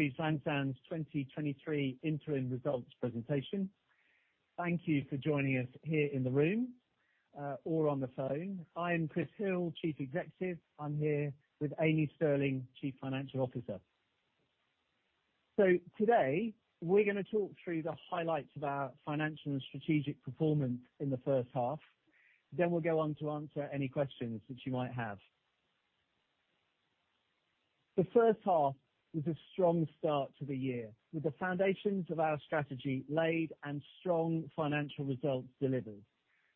Welcome to Hargreaves Lansdown's 2023 interim results presentation. Thank you for joining us here in the room, or on the phone. I am Chris Hill, Chief Executive. I'm here with Amy Stirling, Chief Financial Officer. Today we're gonna talk through the highlights of our financial and strategic performance in the first half. We'll go on to answer any questions that you might have. The first half was a strong start to the year, with the foundations of our strategy laid and strong financial results delivered.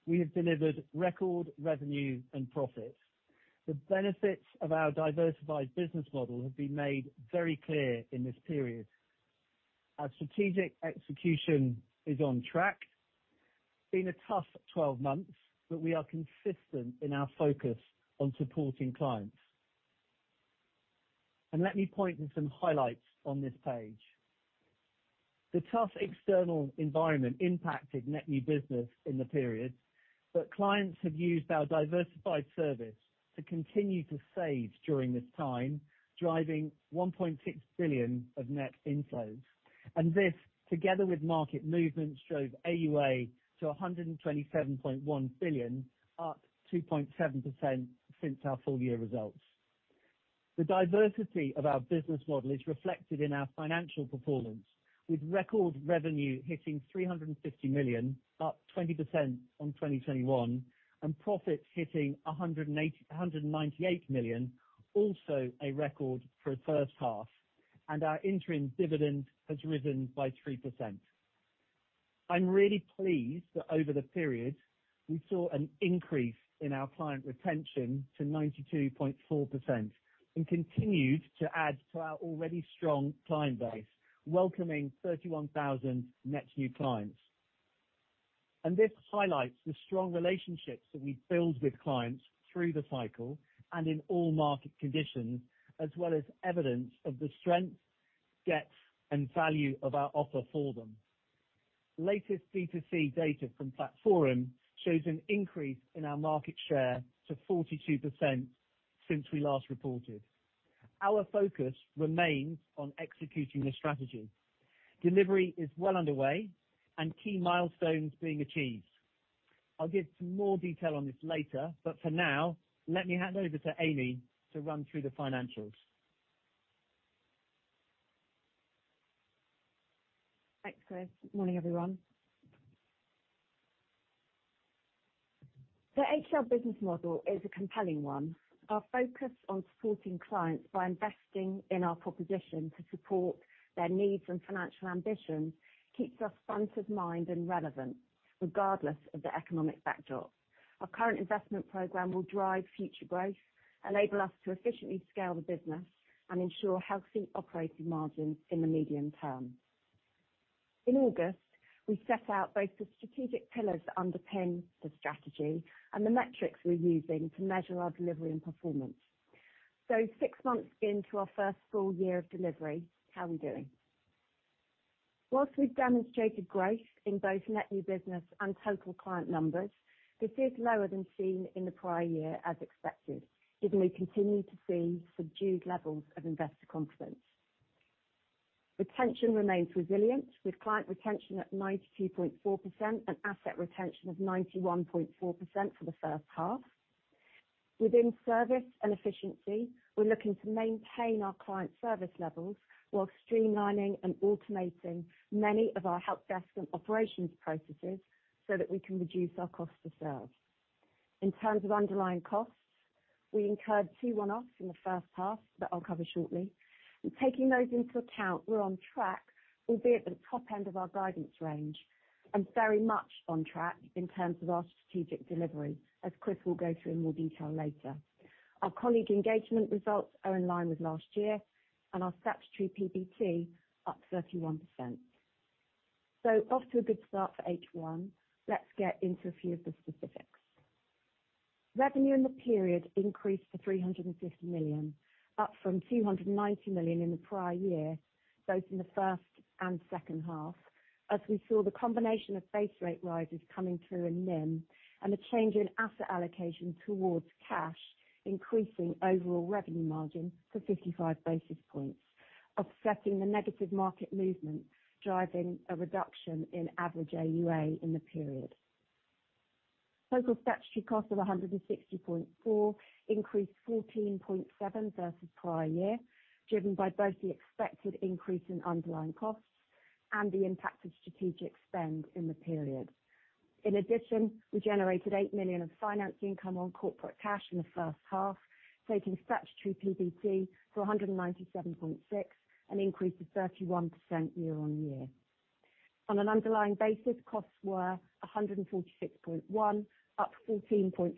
We have delivered record revenue and profits. The benefits of our diversified business model have been made very clear in this period. Our strategic execution is on track. It's been a tough 12 months, but we are consistent in our focus on supporting clients. Let me point to some highlights on this page. The tough external environment impacted net new business in the period, but clients have used our diversified service to continue to save during this time, driving 1.6 billion of net inflows. This, together with market movements, drove AUA to 127.1 billion, up 2.7% since our full year results. The diversity of our business model is reflected in our financial performance, with record revenue hitting 350 million, up 20% on 2021, and profits hitting 198 million, also a record for a first half, and our interim dividend has risen by 3%. I'm really pleased that over the period, we saw an increase in our client retention to 92.4% and continued to add to our already strong client base, welcoming 31,000 net new clients. This highlights the strong relationships that we build with clients through the cycle and in all market conditions, as well as evidence of the strength, depth, and value of our offer for them. Latest D2C data from Platforum shows an increase in our market share to 42% since we last reported. Our focus remains on executing the strategy. Delivery is well underway and key milestones being achieved. I'll give some more detail on this later, but for now, let me hand over to Amy to run through the financials. Thanks, Chris. Morning, everyone. The HL business model is a compelling one. Our focus on supporting clients by investing in our proposition to support their needs and financial ambitions keeps us front of mind and relevant regardless of the economic backdrop. Our current investment program will drive future growth, enable us to efficiently scale the business, and ensure healthy operating margins in the medium term. In August, we set out both the strategic pillars that underpin the strategy and the metrics we're using to measure our delivery and performance. Six months into our first full year of delivery, how are we doing? While we've demonstrated growth in both net new business and total client numbers, this is lower than seen in the prior year as expected, given we continue to see subdued levels of investor confidence. Retention remains resilient, with client retention at 92.4% and asset retention of 91.4% for the first half. Within service and efficiency, we're looking to maintain our client service levels while streamlining and automating many of our helpdesk and operations processes so that we can reduce our cost to serve. In terms of underlying costs, we incurred two one-offs in the first half that I'll cover shortly. In taking those into account, we're on track, albeit at the top end of our guidance range, and very much on track in terms of our strategic delivery, as Chris will go through in more detail later. Our colleague engagement results are in line with last year and our statutory PBT up 31%. Off to a good start for H1. Let's get into a few of the specifics. Revenue in the period increased to 350 million, up from 290 million in the prior year, both in the first and second half, as we saw the combination of base rate rises coming through in NIM and the change in asset allocation towards cash, increasing overall revenue margin to 55 basis points, offsetting the negative market movement, driving a reduction in average AUA in the period. Total statutory cost of 160.4 increased 14.7% versus prior year, driven by both the expected increase in underlying costs and the impact of strategic spend in the period. We generated 8 million of financing income on corporate cash in the first half, taking statutory PBT to 197.6, an increase of 31% year-on-year. On an underlying basis, costs were 146.1, up 14.5%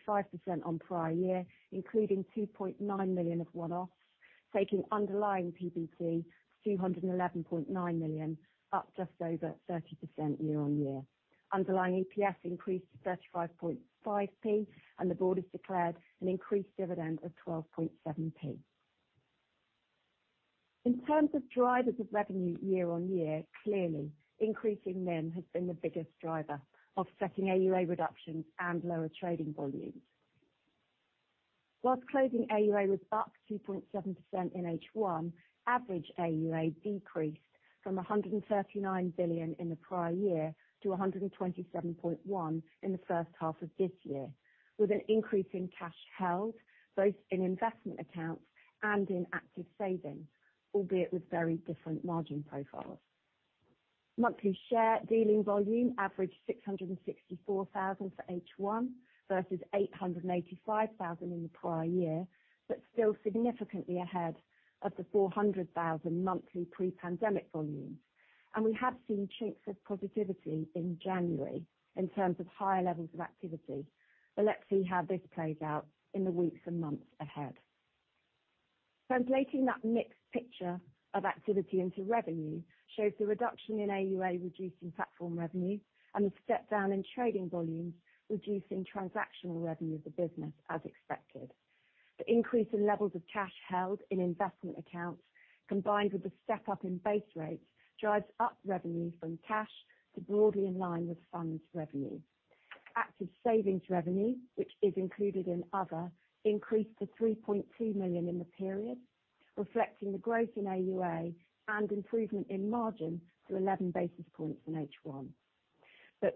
on prior year, including 2.9 million of one-offs, taking underlying PBT to 211.9 million, up just over 30% year-on-year. Underlying EPS increased to 35.5p, the board has declared an increased dividend of 12.7p. In terms of drivers of revenue year-on-year, clearly, increasing NIM has been the biggest driver, offsetting AUA reductions and lower trading volumes. Whilst closing AUA was up 2.7% in H1, average AUA decreased from 139 billion in the prior year to 127.1 billion in the first half of this year, with an increase in cash held both in investment accounts and in Active Savings, albeit with very different margin profiles. Monthly share dealing volume averaged 664,000 for H1 versus 885,000 in the prior year, still significantly ahead of the 400,000 monthly pre-pandemic volumes. We have seen chinks of positivity in January in terms of higher levels of activity. Let's see how this plays out in the weeks and months ahead. Translating that mixed picture of activity into revenue shows the reduction in AUA reducing platform revenue and a step down in trading volumes, reducing transactional revenue of the business as expected. The increase in levels of cash held in investment accounts combined with the step-up in base rates, drives up revenue from cash to broadly in line with funds revenue. Active Savings revenue, which is included in other, increased to 3.2 million in the period, reflecting the growth in AUA and improvement in margin to 11 basis points in H1.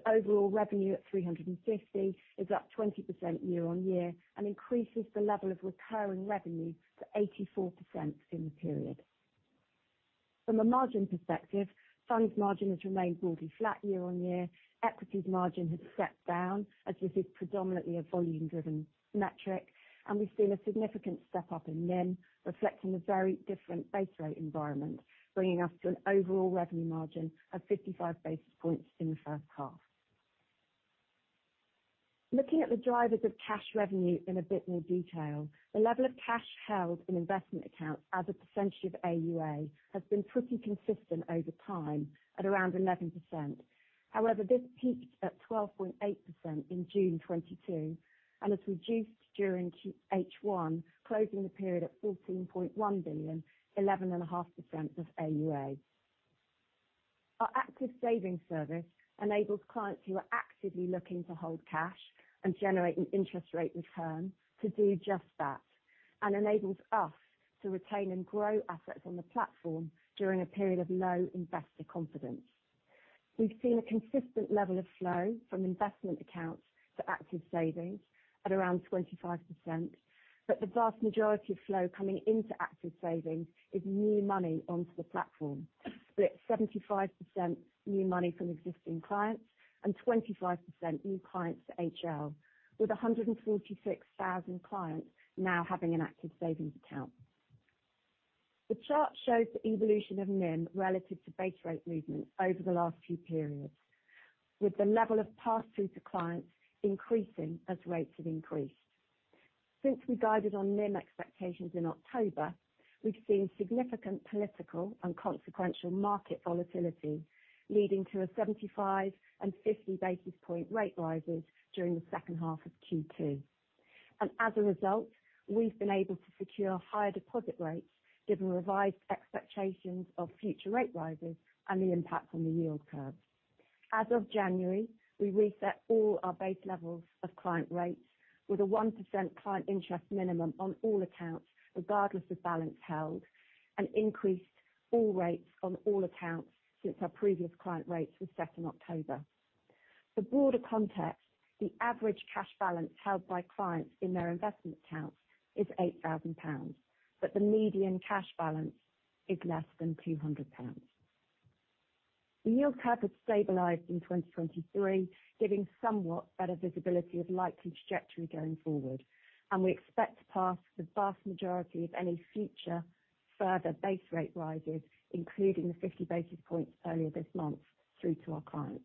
Overall revenue at 350 is up 20% year-on-year and increases the level of recurring revenue to 84% in the period. From a margin perspective, funds margin has remained broadly flat year-on-year. Equities margin has stepped down, as this is predominantly a volume-driven metric, and we've seen a significant step-up in NIM, reflecting the very different base rate environment, bringing us to an overall revenue margin of 55 basis points in the first half. Looking at the drivers of cash revenue in a bit more detail, the level of cash held in investment accounts as a percentage of AUA has been pretty consistent over time at around 11%. This peaked at 12.8% in June 2022 and has reduced during H1, closing the period at 14.1 billion, 11.5% of AUA. Our Active Savings service enables clients who are actively looking to hold cash and generate an interest rate return to do just that, and enables us to retain and grow assets on the platform during a period of low investor confidence. We've seen a consistent level of flow from investment accounts to Active Savings at around 25%, but the vast majority of flow coming into Active Savings is new money onto the platform. Split 75% new money from existing clients and 25% new clients to HL, with 146,000 clients now having an Active Savings account. The chart shows the evolution of NIM relative to base rate movement over the last few periods, with the level of pass-through to clients increasing as rates have increased. Since we guided on NIM expectations in October, we've seen significant political and consequential market volatility, leading to a 75 and 50 basis point rate rises during the second half of Q2. As a result, we've been able to secure higher deposit rates, given revised expectations of future rate rises and the impact on the yield curve. As of January, we reset all our base levels of client rates with a 1% client interest minimum on all accounts, regardless of balance held, and increased all rates on all accounts since our previous client rates were set in October. The broader context, the average cash balance held by clients in their investment accounts is 8,000 pounds, but the median cash balance is less than 200 pounds. The yield curve has stabilized in 2023, giving somewhat better visibility of likely trajectory going forward. We expect to pass the vast majority of any future further base rate rises, including the 50 basis points earlier this month, through to our clients.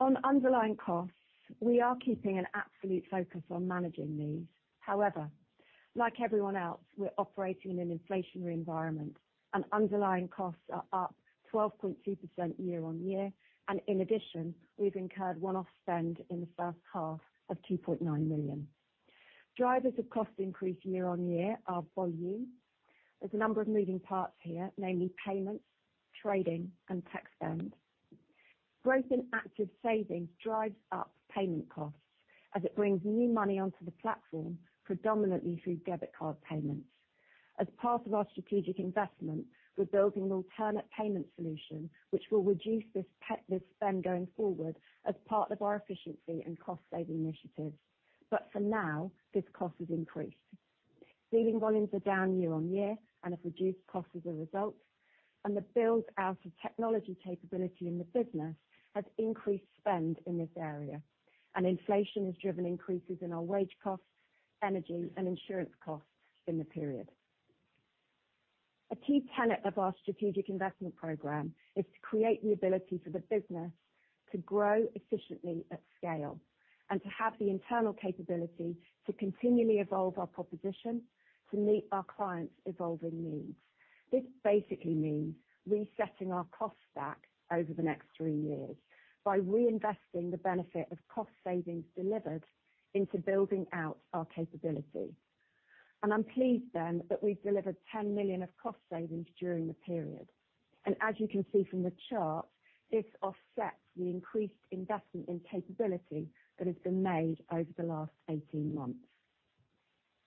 On underlying costs, we are keeping an absolute focus on managing these. However, like everyone else, we're operating in an inflationary environment and underlying costs are up 12.2% year on year. In addition, we've incurred one-off spend in the first half of 2.9 million. Drivers of cost increase year on year are volume. There's a number of moving parts here, namely payments, trading, and tech spend. Growth in Active Savings drives up payment costs as it brings new money onto the platform, predominantly through debit card payments. As part of our strategic investment, we're building an alternate payment solution which will reduce this spend going forward as part of our efficiency and cost saving initiatives. For now, this cost has increased. Dealing volumes are down year-on-year and have reduced costs as a result, and the build-out of technology capability in the business has increased spend in this area, and inflation has driven increases in our wage costs, energy, and insurance costs in the period. A key tenet of our strategic investment program is to create the ability for the business to grow efficiently at scale and to have the internal capability to continually evolve our proposition to meet our clients' evolving needs. This basically means resetting our cost stack over the next three years by reinvesting the benefit of cost savings delivered into building out our capability. I'm pleased then that we've delivered 10 million of cost savings during the period. As you can see from the chart, this offsets the increased investment in capability that has been made over the last 18 months.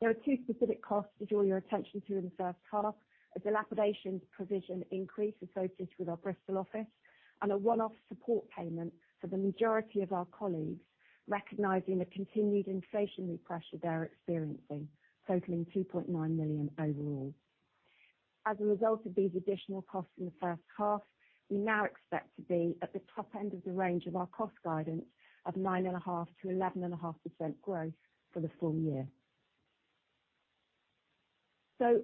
There are two specific costs to draw your attention to in the first half. A dilapidations provision increase associated with our Bristol office, and a one-off support payment for the majority of our colleagues recognizing the continued inflationary pressure they are experiencing, totaling 2.9 million overall. As a result of these additional costs in the first half, we now expect to be at the top end of the range of our cost guidance of 9.5%-11.5% growth for the full year.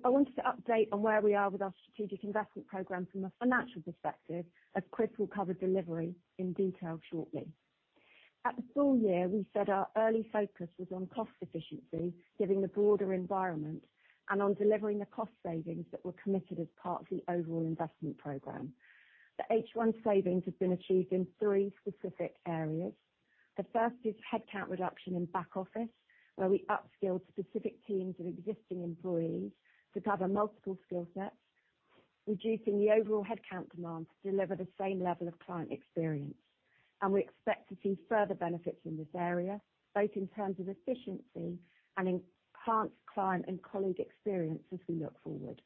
I wanted to update on where we are with our strategic investment program from a financial perspective, as Chris will cover delivery in detail shortly. At the full year, we said our early focus was on cost efficiency, giving the broader environment and on delivering the cost savings that were committed as part of the overall investment program. The H1 savings have been achieved in three specific areas. The first is headcount reduction in back office, where we upskilled specific teams of existing employees to cover multiple skill sets, reducing the overall headcount demand to deliver the same level of client experience. We expect to see further benefits in this area, both in terms of efficiency and enhanced client and colleague experience as we look forward.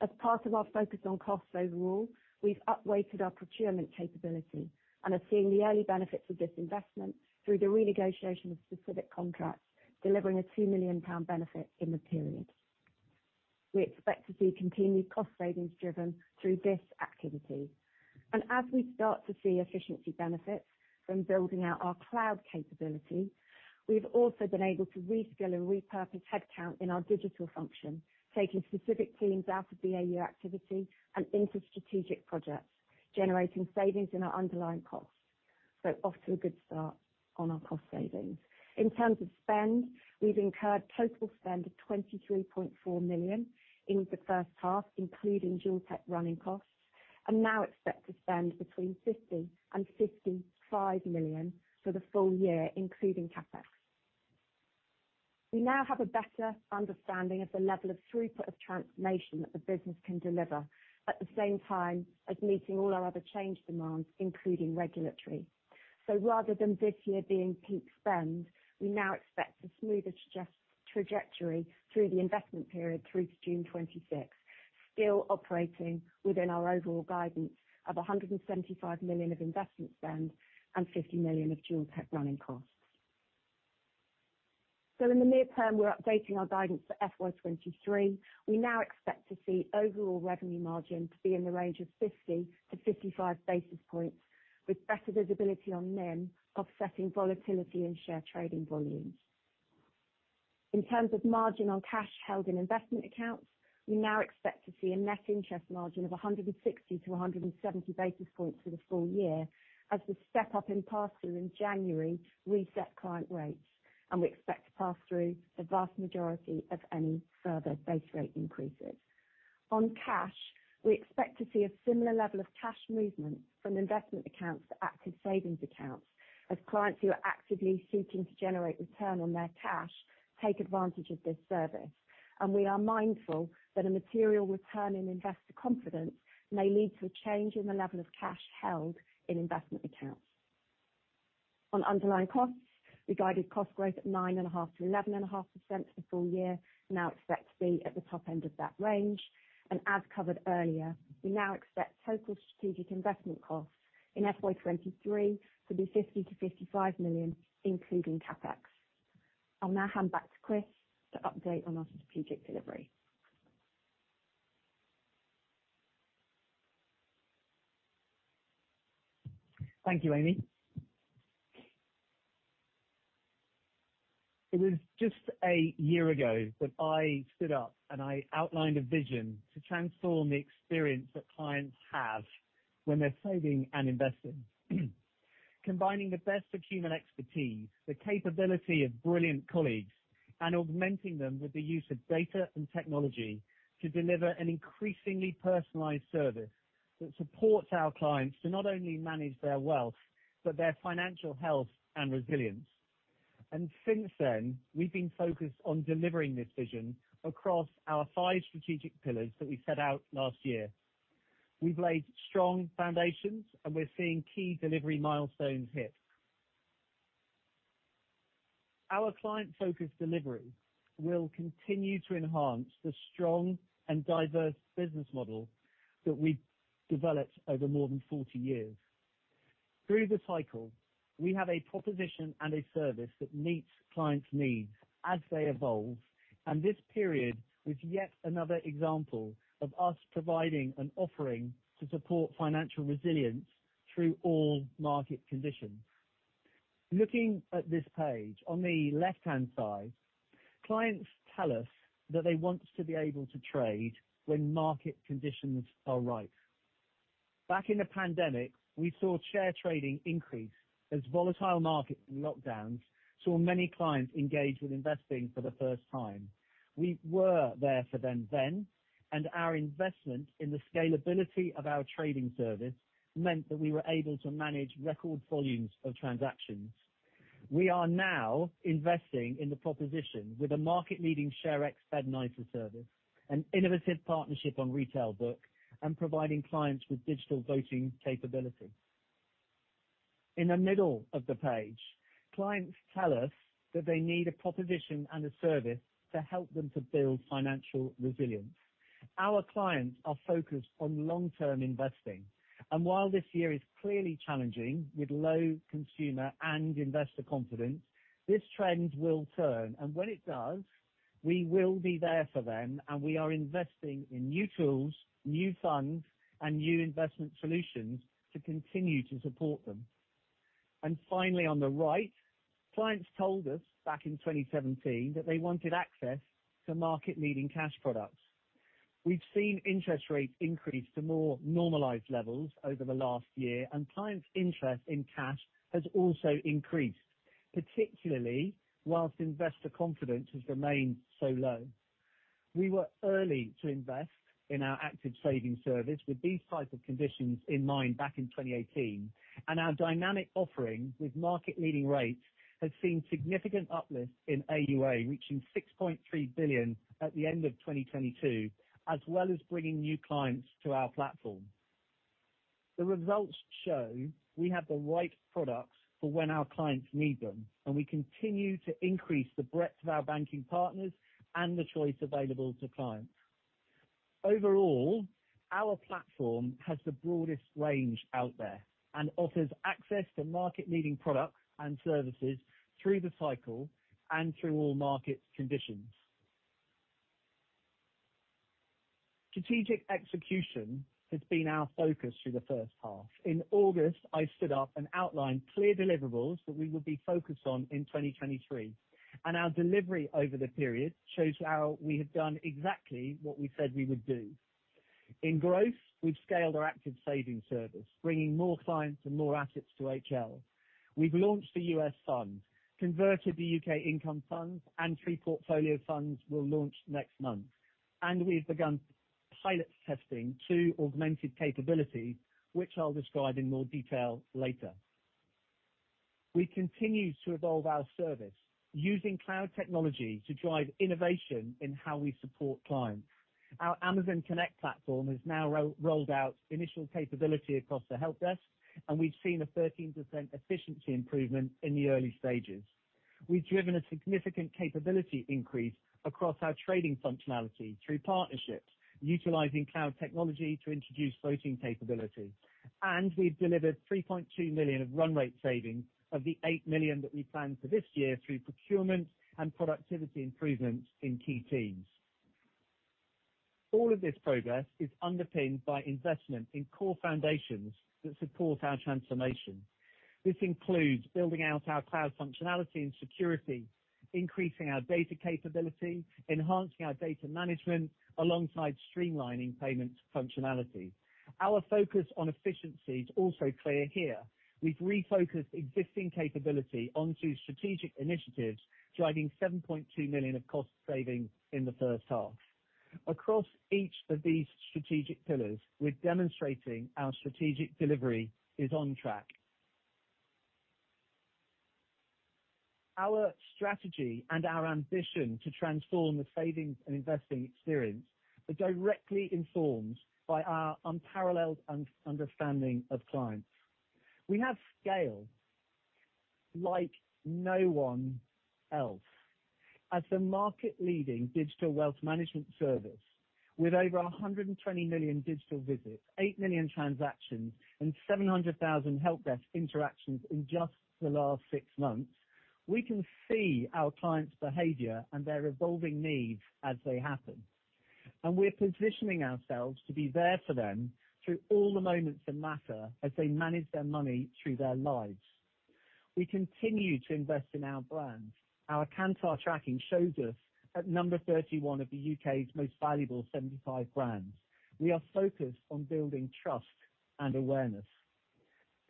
As part of our focus on costs overall, we've up-weighted our procurement capability and are seeing the early benefits of this investment through the renegotiation of specific contracts, delivering a 2 million pound benefit in the period. We expect to see continued cost savings driven through this activity. As we start to see efficiency benefits from building out our cloud capability, we've also been able to reskill and repurpose headcount in our digital function, taking specific teams out of BAU activity and into strategic projects, generating savings in our underlying costs. Off to a good start on our cost savings. In terms of spend, we've incurred total spend of 23.4 million in the first half, including dual tech running costs, and now expect to spend between 50 million-55 million for the full year, including CapEx. We now have a better understanding of the level of throughput of transformation that the business can deliver, at the same time as meeting all our other change demands, including regulatory. Rather than this year being peak spend, we now expect a smoother trajectory through the investment period through to June 2026, still operating within our overall guidance of 175 million of investment spend and 50 million of dual tech running costs. In the near term, we're updating our guidance for FY 2023. We now expect to see overall revenue margin to be in the range of 50-55 basis points, with better visibility on NIM offsetting volatility and share trading volumes. In terms of margin on cash held in investment accounts, we now expect to see a net interest margin of 160-170 basis points for the full year as the step-up in pass-through in January reset client rates, and we expect to pass through the vast majority of any further base rate increases. On cash, we expect to see a similar level of cash movement from investment accounts to Active Savings accounts as clients who are actively seeking to generate return on their cash take advantage of this service. We are mindful that a material return in investor confidence may lead to a change in the level of cash held in investment accounts. On underlying costs, we guided cost growth at 9.5%-11.5% for the full year, now expect to be at the top end of that range. As covered earlier, we now expect total strategic investment costs in FY 2023 to be 50 million-55 million, including CapEx. I'll now hand back to Chris to update on our strategic delivery. Thank you, Amy Stirling. It was just a year ago that I stood up and I outlined a vision to transform the experience that clients have when they're saving and investing. Combining the best of human expertise, the capability of brilliant colleagues, and augmenting them with the use of data and technology to deliver an increasingly personalized service that supports our clients to not only manage their wealth, but their financial health and resilience. Since then, we've been focused on delivering this vision across our five strategic pillars that we set out last year. We've laid strong foundations, and we're seeing key delivery milestones hit. Our client-focused delivery will continue to enhance the strong and diverse business model that we've developed over more than 40 years. Through the cycle, we have a proposition and a service that meets clients' needs as they evolve, and this period is yet another example of us providing an offering to support financial resilience through all market conditions. Looking at this page, on the left-hand side, clients tell us that they want to be able to trade when market conditions are ripe. Back in the pandemic, we saw share trading increase as volatile markets and lockdowns saw many clients engage with investing for the first time. We were there for them then, and our investment in the scalability of our trading service meant that we were able to manage record volumes of transactions. We are now investing in the proposition with a market-leading ShareX Bed & ISA service, an innovative partnership on RetailBook, and providing clients with digital voting capability. In the middle of the page, clients tell us that they need a proposition and a service to help them to build financial resilience. Our clients are focused on long-term investing, and while this year is clearly challenging with low consumer and investor confidence, this trend will turn, and when it does, we will be there for them, and we are investing in new tools, new funds, and new investment solutions to continue to support them. Finally, on the right, clients told us back in 2017 that they wanted access to market-leading cash products. We've seen interest rates increase to more normalized levels over the last year, and clients' interest in cash has also increased, particularly while investor confidence has remained so low. We were early to invest in our Active Savings service with these types of conditions in mind back in 2018. Our dynamic offering with market-leading rates has seen significant uplifts in AUA, reaching 6.3 billion at the end of 2022, as well as bringing new clients to our platform. The results show we have the right products for when our clients need them. We continue to increase the breadth of our banking partners and the choice available to clients. Overall, our platform has the broadest range out there and offers access to market-leading products and services through the cycle and through all market conditions. Strategic execution has been our focus through the first half. In August, I stood up and outlined clear deliverables that we would be focused on in 2023. Our delivery over the period shows how we have done exactly what we said we would do. In growth, we've scaled our Active Savings service, bringing more clients and more assets to HL. We've launched the US Fund, converted the UK Income Fund, three portfolio funds will launch next month. We've begun pilot testing two augmented capabilities, which I'll describe in more detail later. We continue to evolve our service using cloud technology to drive innovation in how we support clients. Our Amazon Connect platform has now rolled out initial capability across the helpdesk. We've seen a 13% efficiency improvement in the early stages. We've driven a significant capability increase across our trading functionality through partnerships, utilizing cloud technology to introduce voting capability. We've delivered 3.2 million of run rate savings of the 8 million that we planned for this year through procurement and productivity improvements in key teams. All of this progress is underpinned by investment in core foundations that support our transformation. This includes building out our cloud functionality and security, increasing our data capability, enhancing our data management alongside streamlining payments functionality. Our focus on efficiency is also clear here. We've refocused existing capability onto strategic initiatives, driving 7.2 million of cost savings in the first half. Across each of these strategic pillars, we're demonstrating our strategic delivery is on track. Our strategy and our ambition to transform the savings and investing experience are directly informed by our unparalleled understanding of clients. We have scale like no one else. As the market leading digital wealth management service with over 120 million digital visits, 8 million transactions, and 700,000 helpdesk interactions in just the last six months, we can see our clients' behavior and their evolving needs as they happen. We're positioning ourselves to be there for them through all the moments that matter as they manage their money through their lives. We continue to invest in our brand. Our Kantar tracking shows us at number 31 of the U.K.'s most valuable 75 brands. We are focused on building trust and awareness.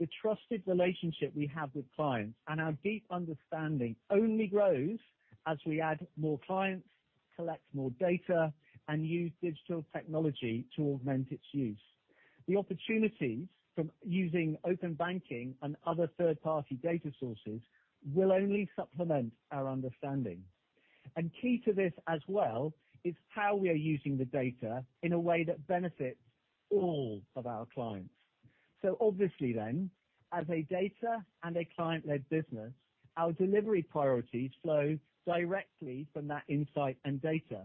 The trusted relationship we have with clients and our deep understanding only grows as we add more clients, collect more data, and use digital technology to augment its use. The opportunities from using open banking and other third-party data sources will only supplement our understanding. Key to this as well is how we are using the data in a way that benefits all of our clients. Obviously then, as a data-led and a client-led business, our delivery priorities flow directly from that insight and data,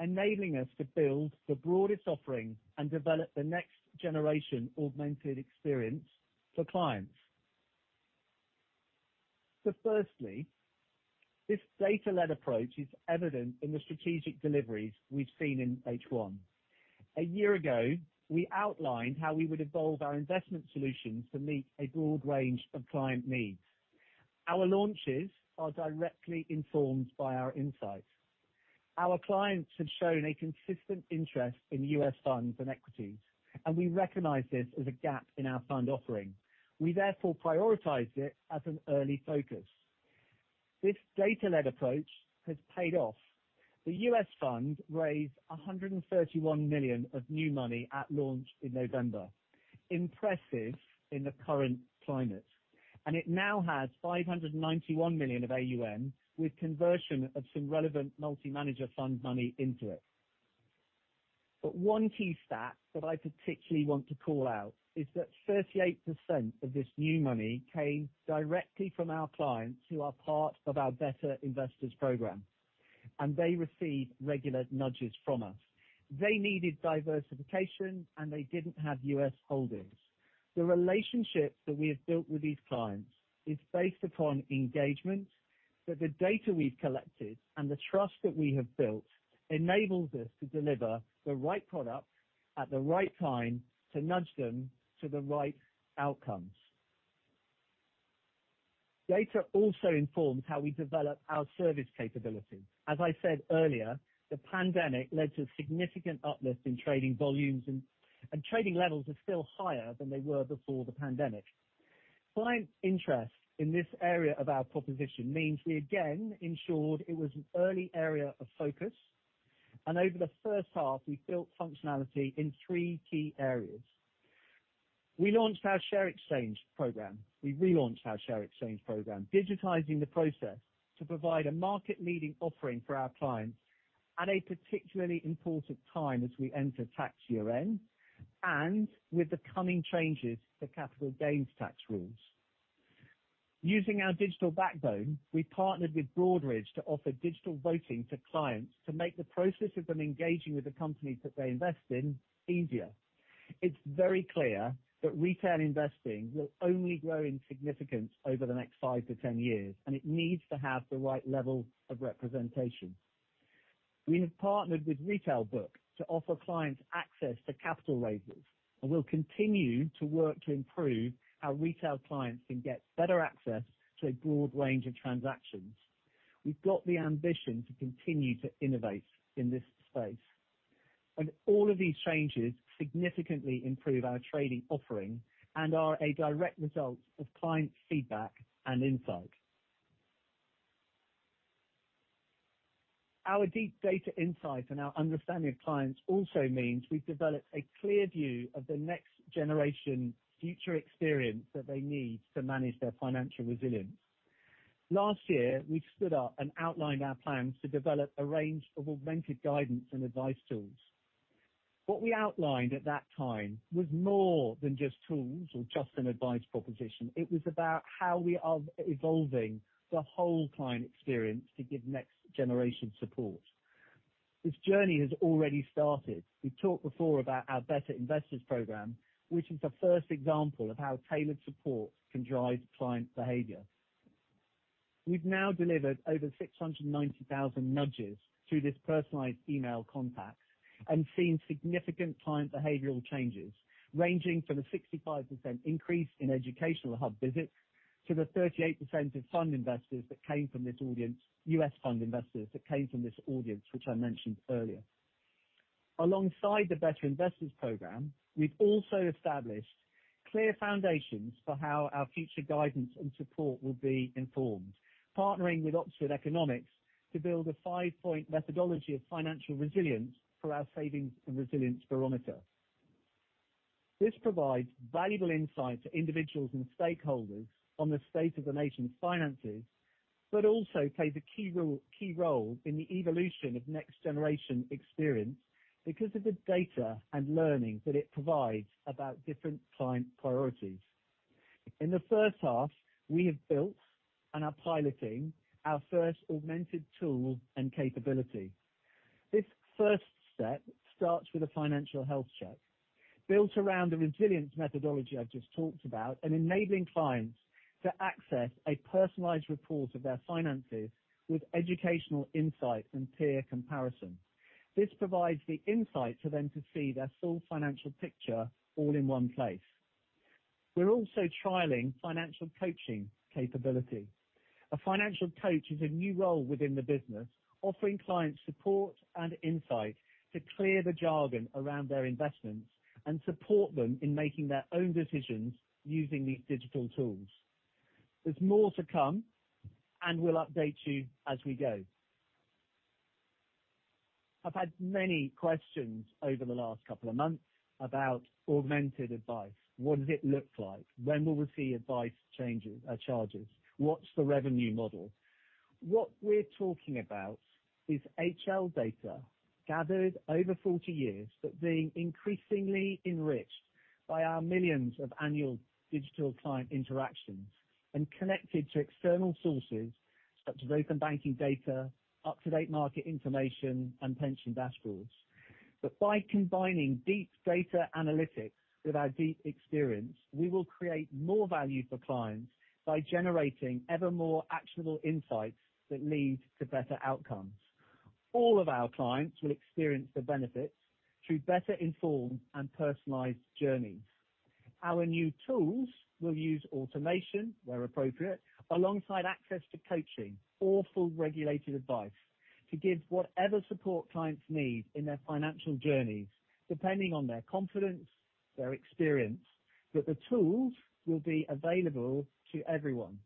enabling us to build the broadest offering and develop the next-generation augmented experience for clients. Firstly, this data-led approach is evident in the strategic deliveries we've seen in H1. A year ago, we outlined how we would evolve our investment solutions to meet a broad range of client needs. Our launches are directly informed by our insights. Our clients have shown a consistent interest in U.S. funds and equities, and we recognize this as a gap in our fund offering. We therefore prioritized it as an early focus. This data-led approach has paid off. The US Fund raised 131 million of new money at launch in November. Impressive in the current climate. It now has 591 million of AUM, with conversion of some relevant multi-manager fund money into it. One key stat that I particularly want to call out is that 38% of this new money came directly from our clients who are part of our Better Investors program. They receive regular nudges from us. They needed diversification. They didn't have U.S. holdings. The relationship that we have built with these clients is based upon engagement, that the data we've collected and the trust that we have built enables us to deliver the right product at the right time to nudge them to the right outcomes. Data also informs how we develop our service capability. As I said earlier, the pandemic led to a significant uplift in trading volumes, and trading levels are still higher than they were before the pandemic. Client interest in this area of our proposition means we again ensured it was an early area of focus, and over the first half, we built functionality in three key areas. We launched our Share Exchange program. We relaunched our Share Exchange program, digitizing the process to provide a market-leading offering for our clients at a particularly important time as we enter tax year-end, and with the coming changes to capital gains tax rules. Using our digital backbone, we partnered with Broadridge to offer digital voting to clients to make the process of them engaging with the companies that they invest in easier. It's very clear that retail investing will only grow in significance over the next five to 10 years, and it needs to have the right level of representation. We have partnered with RetailBook to offer clients access to capital raisers, and we'll continue to work to improve how retail clients can get better access to a broad range of transactions. We've got the ambition to continue to innovate in this space. All of these changes significantly improve our trading offering and are a direct result of client feedback and insight. Our deep data insight and our understanding of clients also means we've developed a clear view of the next generation future experience that they need to manage their financial resilience. Last year, we stood up and outlined our plans to develop a range of augmented guidance and advice tools. What we outlined at that time was more than just tools or just an advice proposition. It was about how we are evolving the whole client experience to give next generation support. This journey has already started. We've talked before about our Better Investors program, which is the first example of how tailored support can drive client behavior. We've now delivered over 690,000 nudges through this personalized email contact and seen significant client behavioral changes, ranging from the 65% increase in educational hub visits to the 38% of U.S. fund investors that came from this audience, which I mentioned earlier. Alongside the Better Investors program, we've also established clear foundations for how our future guidance and support will be informed, partnering with Oxford Economics to build a five-point methodology of financial resilience for our Savings and Resilience Barometer. This provides valuable insight to individuals and stakeholders on the state of the nation's finances, but also plays a key role in the evolution of next generation experience because of the data and learning that it provides about different client priorities. In the first half, we have built and are piloting our first augmented tool and capability. This first step starts with a financial health check built around the resilience methodology I've just talked about and enabling clients to access a personalized report of their finances with educational insight and peer comparison. This provides the insight for them to see their full financial picture all in one place. We're also trialing financial coaching capability. A financial coach is a new role within the business, offering clients support and insight to clear the jargon around their investments and support them in making their own decisions using these digital tools. There's more to come. We'll update you as we go. I've had many questions over the last couple of months about augmented advice. What does it look like? When will we see advice changes, charges? What's the revenue model? What we're talking about is HL data gathered over 40 years, being increasingly enriched by our millions of annual digital client interactions and connected to external sources such as open banking data, up-to-date market information, and pension dashboards. By combining deep data analytics with our deep experience, we will create more value for clients by generating ever more actionable insights that lead to better outcomes. All of our clients will experience the benefits through better informed and personalized journeys. Our new tools will use automation where appropriate, alongside access to coaching or full regulated advice to give whatever support clients need in their financial journeys, depending on their confidence, their experience. The tools will be available to everyone.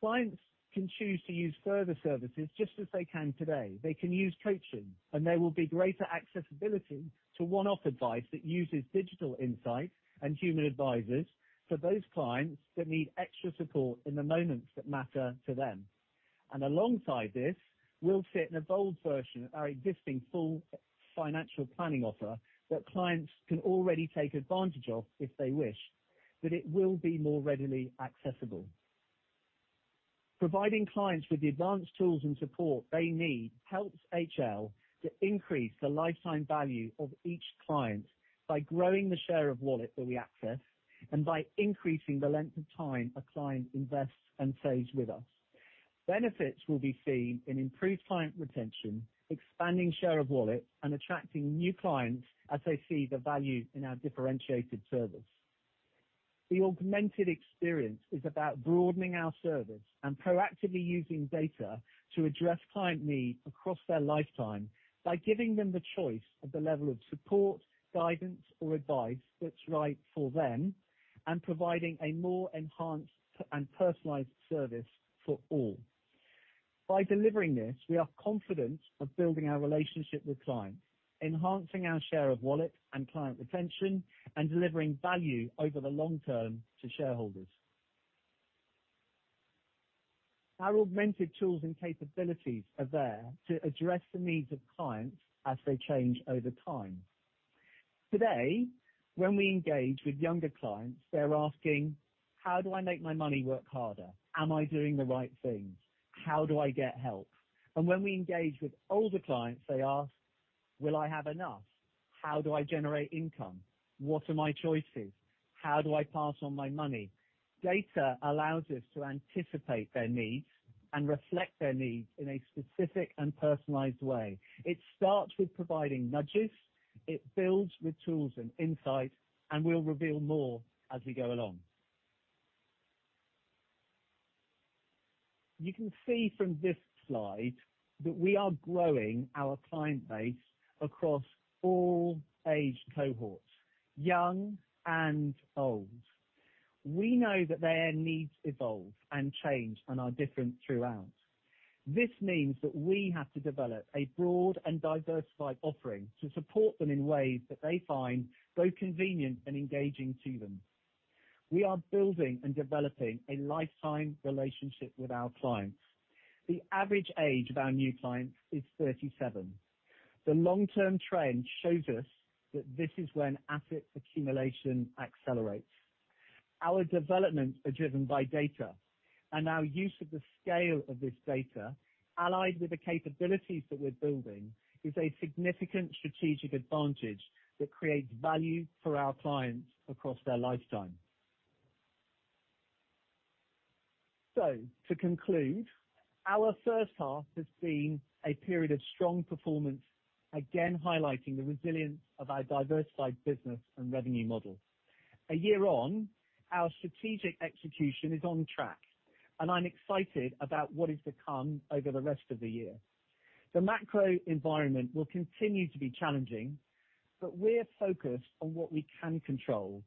Clients can choose to use further services just as they can today. They can use coaching, and there will be greater accessibility to one-off advice that uses digital insight and human advisors for those clients that need extra support in the moments that matter to them. Alongside this will fit an evolved version of our existing full financial planning offer that clients can already take advantage of if they wish, but it will be more readily accessible. Providing clients with the advanced tools and support they need helps HL to increase the lifetime value of each client by growing the share of wallet that we access and by increasing the length of time a client invests and stays with us. Benefits will be seen in improved client retention, expanding share of wallet, and attracting new clients as they see the value in our differentiated service. The augmented experience is about broadening our service and proactively using data to address client need across their lifetime by giving them the choice of the level of support, guidance, or advice that's right for them and providing a more enhanced and personalized service for all. By delivering this, we are confident of building our relationship with clients, enhancing our share of wallet and client retention, and delivering value over the long term to shareholders. Our augmented tools and capabilities are there to address the needs of clients as they change over time. Today, when we engage with younger clients, they're asking: How do I make my money work harder? Am I doing the right things? How do I get help? When we engage with older clients, they ask: Will I have enough? How do I generate income? What are my choices? How do I pass on my money? Data allows us to anticipate their needs and reflect their needs in a specific and personalized way. It starts with providing nudges. It builds with tools and insight, and we'll reveal more as we go along. You can see from this slide that we are growing our client base across all age cohorts, young and old. We know that their needs evolve and change and are different throughout. This means that we have to develop a broad and diversified offering to support them in ways that they find both convenient and engaging to them. We are building and developing a lifetime relationship with our clients. The average age of our new clients is 37. The long-term trend shows us that this is when asset accumulation accelerates. Our developments are driven by data. Our use of the scale of this data, allied with the capabilities that we're building, is a significant strategic advantage that creates value for our clients across their lifetime. To conclude, our first half has been a period of strong performance, again highlighting the resilience of our diversified business and revenue model. A year on, our strategic execution is on track. I'm excited about what is to come over the rest of the year. The macro environment will continue to be challenging, but we're focused on what we can control,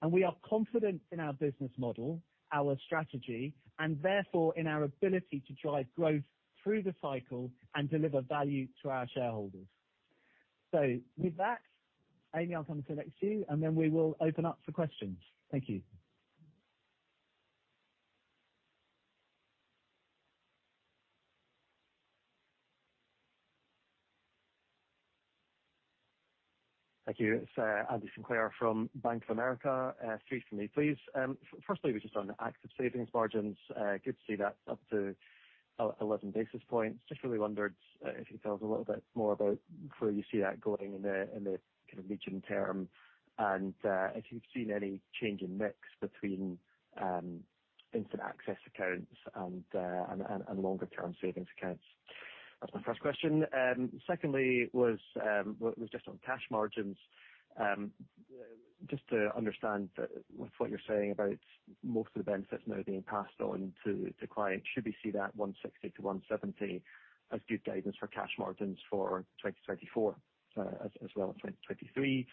and we are confident in our business model, our strategy, and therefore in our ability to drive growth through the cycle and deliver value to our shareholders. With that, Amy, I'll come to next to you, and then we will open up for questions. Thank you. Thank you. It's Andy Sinclair from Bank of America. Three from me, please. Firstly, just on Active Savings margins. Good to see that up to 11 basis points. Just really wondered if you could tell us a little bit more about where you see that going in the kind of medium term and if you've seen any change in mix between instant access accounts and longer term savings accounts. That's my first question. Secondly was just on cash margins. Just to understand with what you're saying about most of the benefits now being passed on to clients, should we see that 160-170 as good guidance for cash margins for 2024 as well as 2023?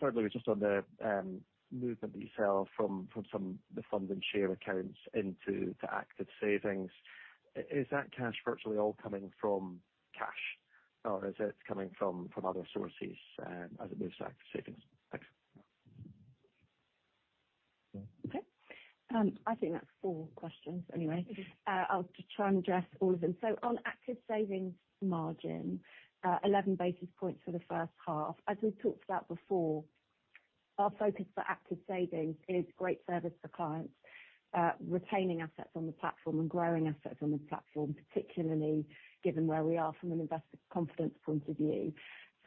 Thirdly, just on the movement that you saw from some the Fund and Share Accounts into the Active Savings. Is that cash virtually all coming from cash or is it coming from other sources, as it moves to Active Savings? Thanks. Okay. I think that's four questions anyway. I'll just try and address all of them. On Active Savings margin, 11 basis points for the first half. As we've talked about before, our focus for Active Savings is great service for clients, retaining assets on the platform and growing assets on the platform, particularly given where we are from an investor confidence point of view.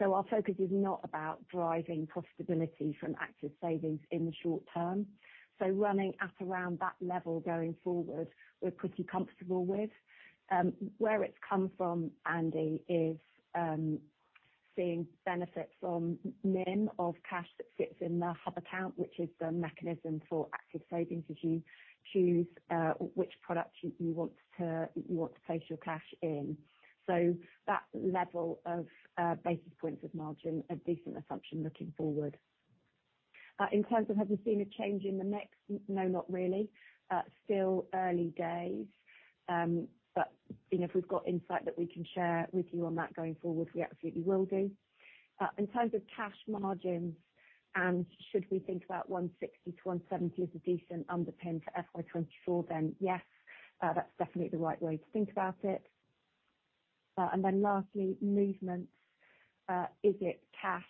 Our focus is not about driving profitability from Active Savings in the short term. Running at around that level going forward, we're pretty comfortable with. Where it's come from, Andy, is Seeing benefits on NIM of cash that sits in the hub account, which is the mechanism for Active Savings as you choose, which product you want to, you want to place your cash in. That level of basis points of margin, a decent assumption looking forward. In terms of have you seen a change in the mix? No, not really. Still early days. You know, if we've got insight that we can share with you on that going forward, we absolutely will do. In terms of cash margins and should we think about 160-170 as a decent underpin for FY 2024, yes, that's definitely the right way to think about it. Lastly, movements. Is it cash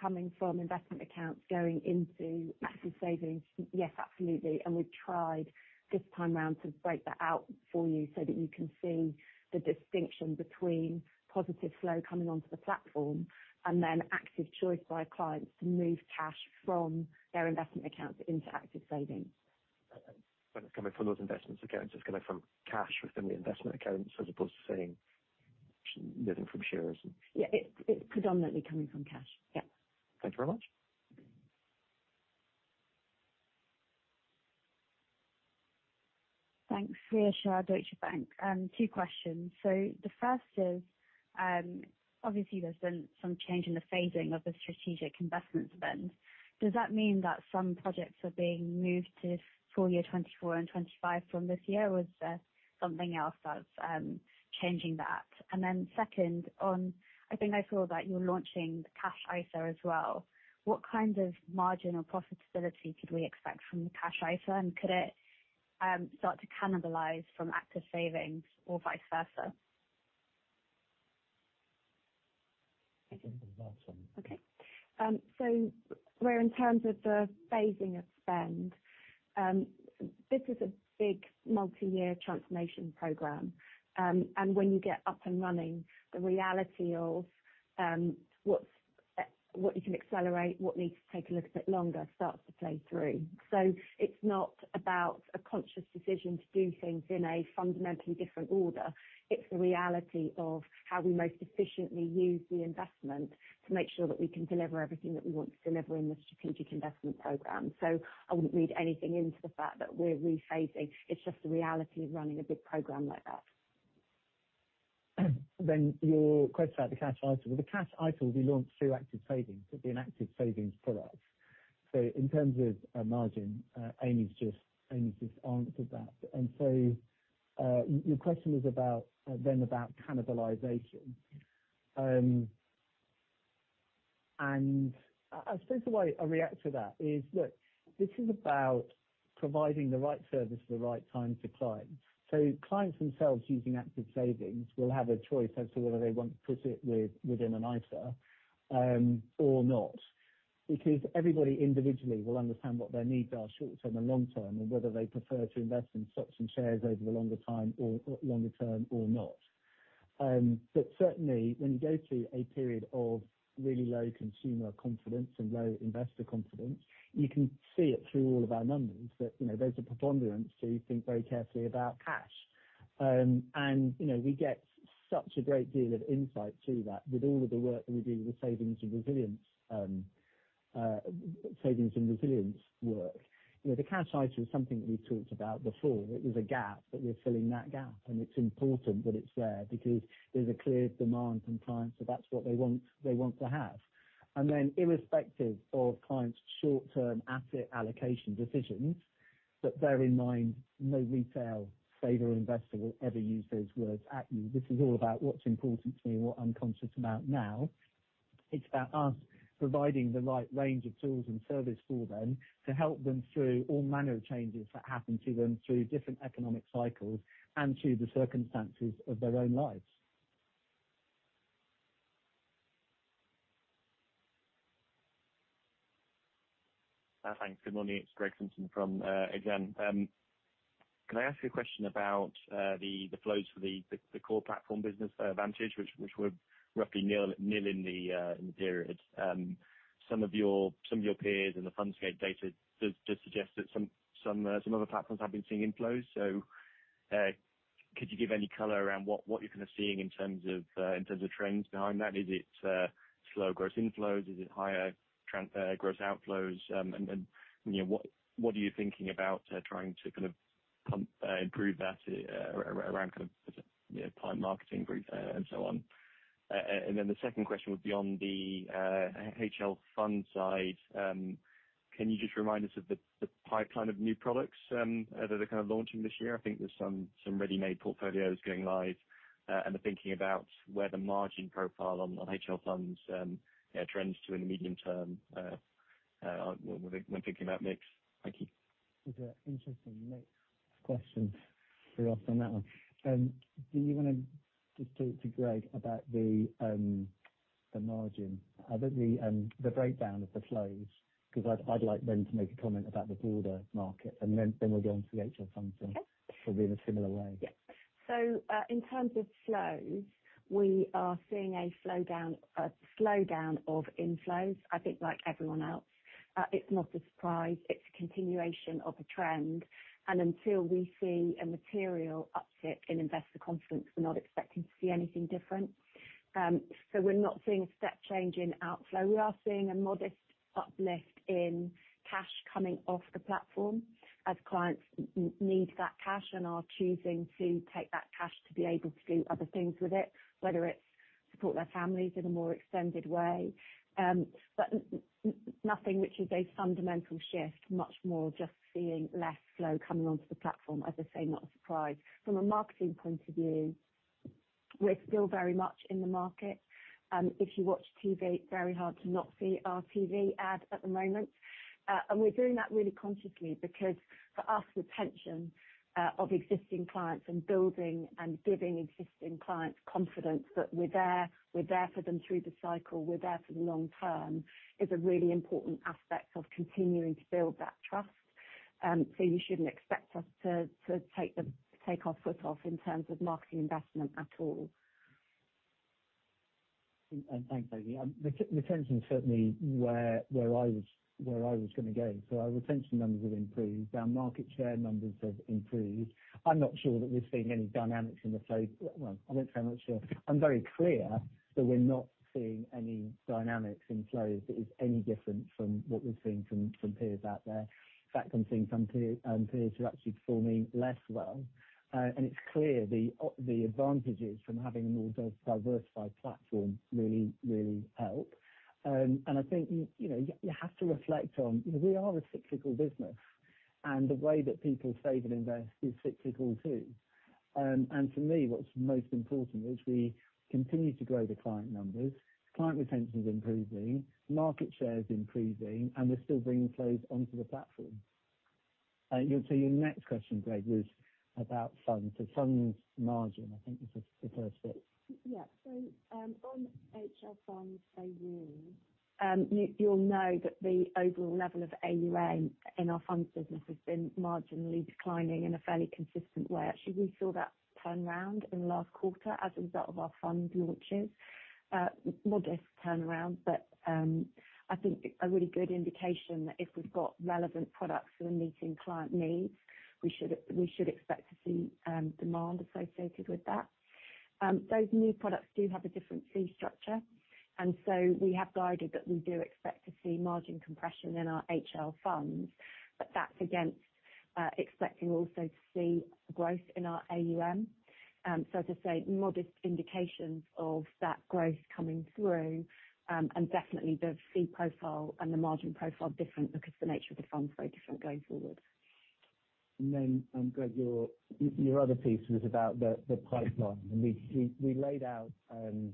coming from investment accounts going into Active Savings? Yes, absolutely. We tried this time around to break that out for you so that you can see the distinction between positive flow coming onto the platform and then active choice by clients to move cash from their investment accounts into Active Savings. When it's coming from those investments accounts, it's coming from cash within the investment accounts as opposed to saying moving from shares. Yeah, it's predominantly coming from cash. Yeah. Thank you very much. Thanks. Rhea Shah, Deutsche Bank. Two questions. The first is, obviously there's been some change in the phasing of the strategic investment spend. Does that mean that some projects are being moved to FY 2024 and FY 2025 from this year? Or is there something else that's changing that? Second, I think I saw that you're launching the Cash ISA as well. What kind of margin or profitability could we expect from the Cash ISA? Could it start to cannibalize from Active Savings or vice versa? I think that's on me. Where in terms of the phasing of spend, this is a big multi-year transformation program. When you get up and running, the reality of what's what you can accelerate, what needs to take a little bit longer starts to play through. It's not about a conscious decision to do things in a fundamentally different order. It's the reality of how we most efficiently use the investment to make sure that we can deliver everything that we want to deliver in the strategic investment program. I wouldn't read anything into the fact that we're rephasing. It's just the reality of running a big program like that. Your question about the Cash ISA. Well, the Cash ISA will be launched through Active Savings. It'll be an Active Savings product. In terms of a margin, Amy's just answered that. Your question was about then about cannibalization. I suppose the way I react to that is, look, this is about providing the right service at the right time to clients. Clients themselves using Active Savings will have a choice as to whether they want to put it within an ISA or not. Everybody individually will understand what their needs are short term and long term, and whether they prefer to invest in stocks and shares over the longer time or longer term or not. Certainly when you go through a period of really low consumer confidence and low investor confidence, you can see it through all of our numbers that, you know, there's a preponderance to think very carefully about cash. You know, we get such a great deal of insight to that with all of the work that we do with savings and resilience work. You know, the Cash ISA is something that we've talked about before. It was a gap, but we're filling that gap. It's important that it's there because there's a clear demand from clients that that's what they want, they want to have. Irrespective of clients' short term asset allocation decisions, but bear in mind, no retail saver or investor will ever use those words at you. This is all about what's important to me and what I'm conscious about now. It's about us providing the right range of tools and service for them to help them through all manner of changes that happen to them through different economic cycles and through the circumstances of their own lives. Thanks. Good morning. It's Greg Simpson from again. Can I ask you a question about the flows for the core platform business advantage, which were roughly nil in the period. Some of your peers in the Fundscape data does suggest that some other platforms have been seeing inflows. Could you give any color around what you're kind of seeing in terms of trends behind that? Is it slow gross inflows? Is it higher gross outflows? You know, what are you thinking about trying to kind of pump improve that around kind of, you know, client marketing group and so on? The second question would be on the HL fund side. Can you just remind us of the pipeline of new products that are kind of launching this year? I think there's some ready-made portfolios going live, and the thinking about where the margin profile on HL funds, you know, trends to in the medium term, when thinking about mix? Thank you. These are interesting mix questions for us on that one. Do you wanna just talk to Greg about the margin? How about the breakdown of the flows? I'd like then to make a comment about the broader market and then we'll go onto the HL funds thing. Okay. Probably in a similar way. Yeah. In terms of flows, we are seeing a slowdown of inflows, I think like everyone else. It's not a surprise, it's a continuation of a trend. Until we see a material uptick in investor confidence, we're not expecting to see anything different. We're not seeing a step change in outflow. We are seeing a modest uplift in cash coming off the platform as clients need that cash and are choosing to take that cash to be able to do other things with it, whether it's support their families in a more extended way. Nothing which is a fundamental shift, much more just seeing less flow coming onto the platform. As I say, not a surprise. From a marketing point of view, we're still very much in the market. If you watch TV, very hard to not see our TV ad at the moment. We're doing that really consciously because for us, the retention of existing clients and building and giving existing clients confidence that we're there, we're there for them through the cycle, we're there for the long term, is a really important aspect of continuing to build that trust. You shouldn't expect us to take our foot off in terms of marketing investment at all. Thanks, Amy. Retention certainly where I was gonna go. Our retention numbers have improved. Our market share numbers have improved. I'm not sure that we've seen any dynamics in the flow. Well, I won't say I'm not sure. I'm very clear that we're not seeing any dynamics in flows that is any different from what we've seen from peers out there. In fact, I'm seeing some peers who are actually performing less well. It's clear the advantages from having a more diversified platform really help. I think, you know, you have to reflect on, you know, we are a cyclical business, and the way that people save and invest is cyclical too. For me, what's most important is we continue to grow the client numbers. Client retention's improving, market share is increasing, we're still bringing flows onto the platform. Your next question, Greg, was about funds. Funds margin, I think was the first bit. Yeah. On HL funds AUM, you'll know that the overall level of AUM in our funds business has been marginally declining in a fairly consistent way. Actually, we saw that turnaround in the last quarter as a result of our fund launches. Modest turnaround, but I think a really good indication that if we've got relevant products that are meeting client needs, we should expect to see demand associated with that. Those new products do have a different fee structure. We have guided that we do expect to see margin compression in our HL funds, but that's against expecting also to see growth in our AUM. As I say, modest indications of that growth coming through, and definitely the fee profile and the margin profile different because the nature of the fund's very different going forward. Greg, your other piece was about the pipeline. We laid out an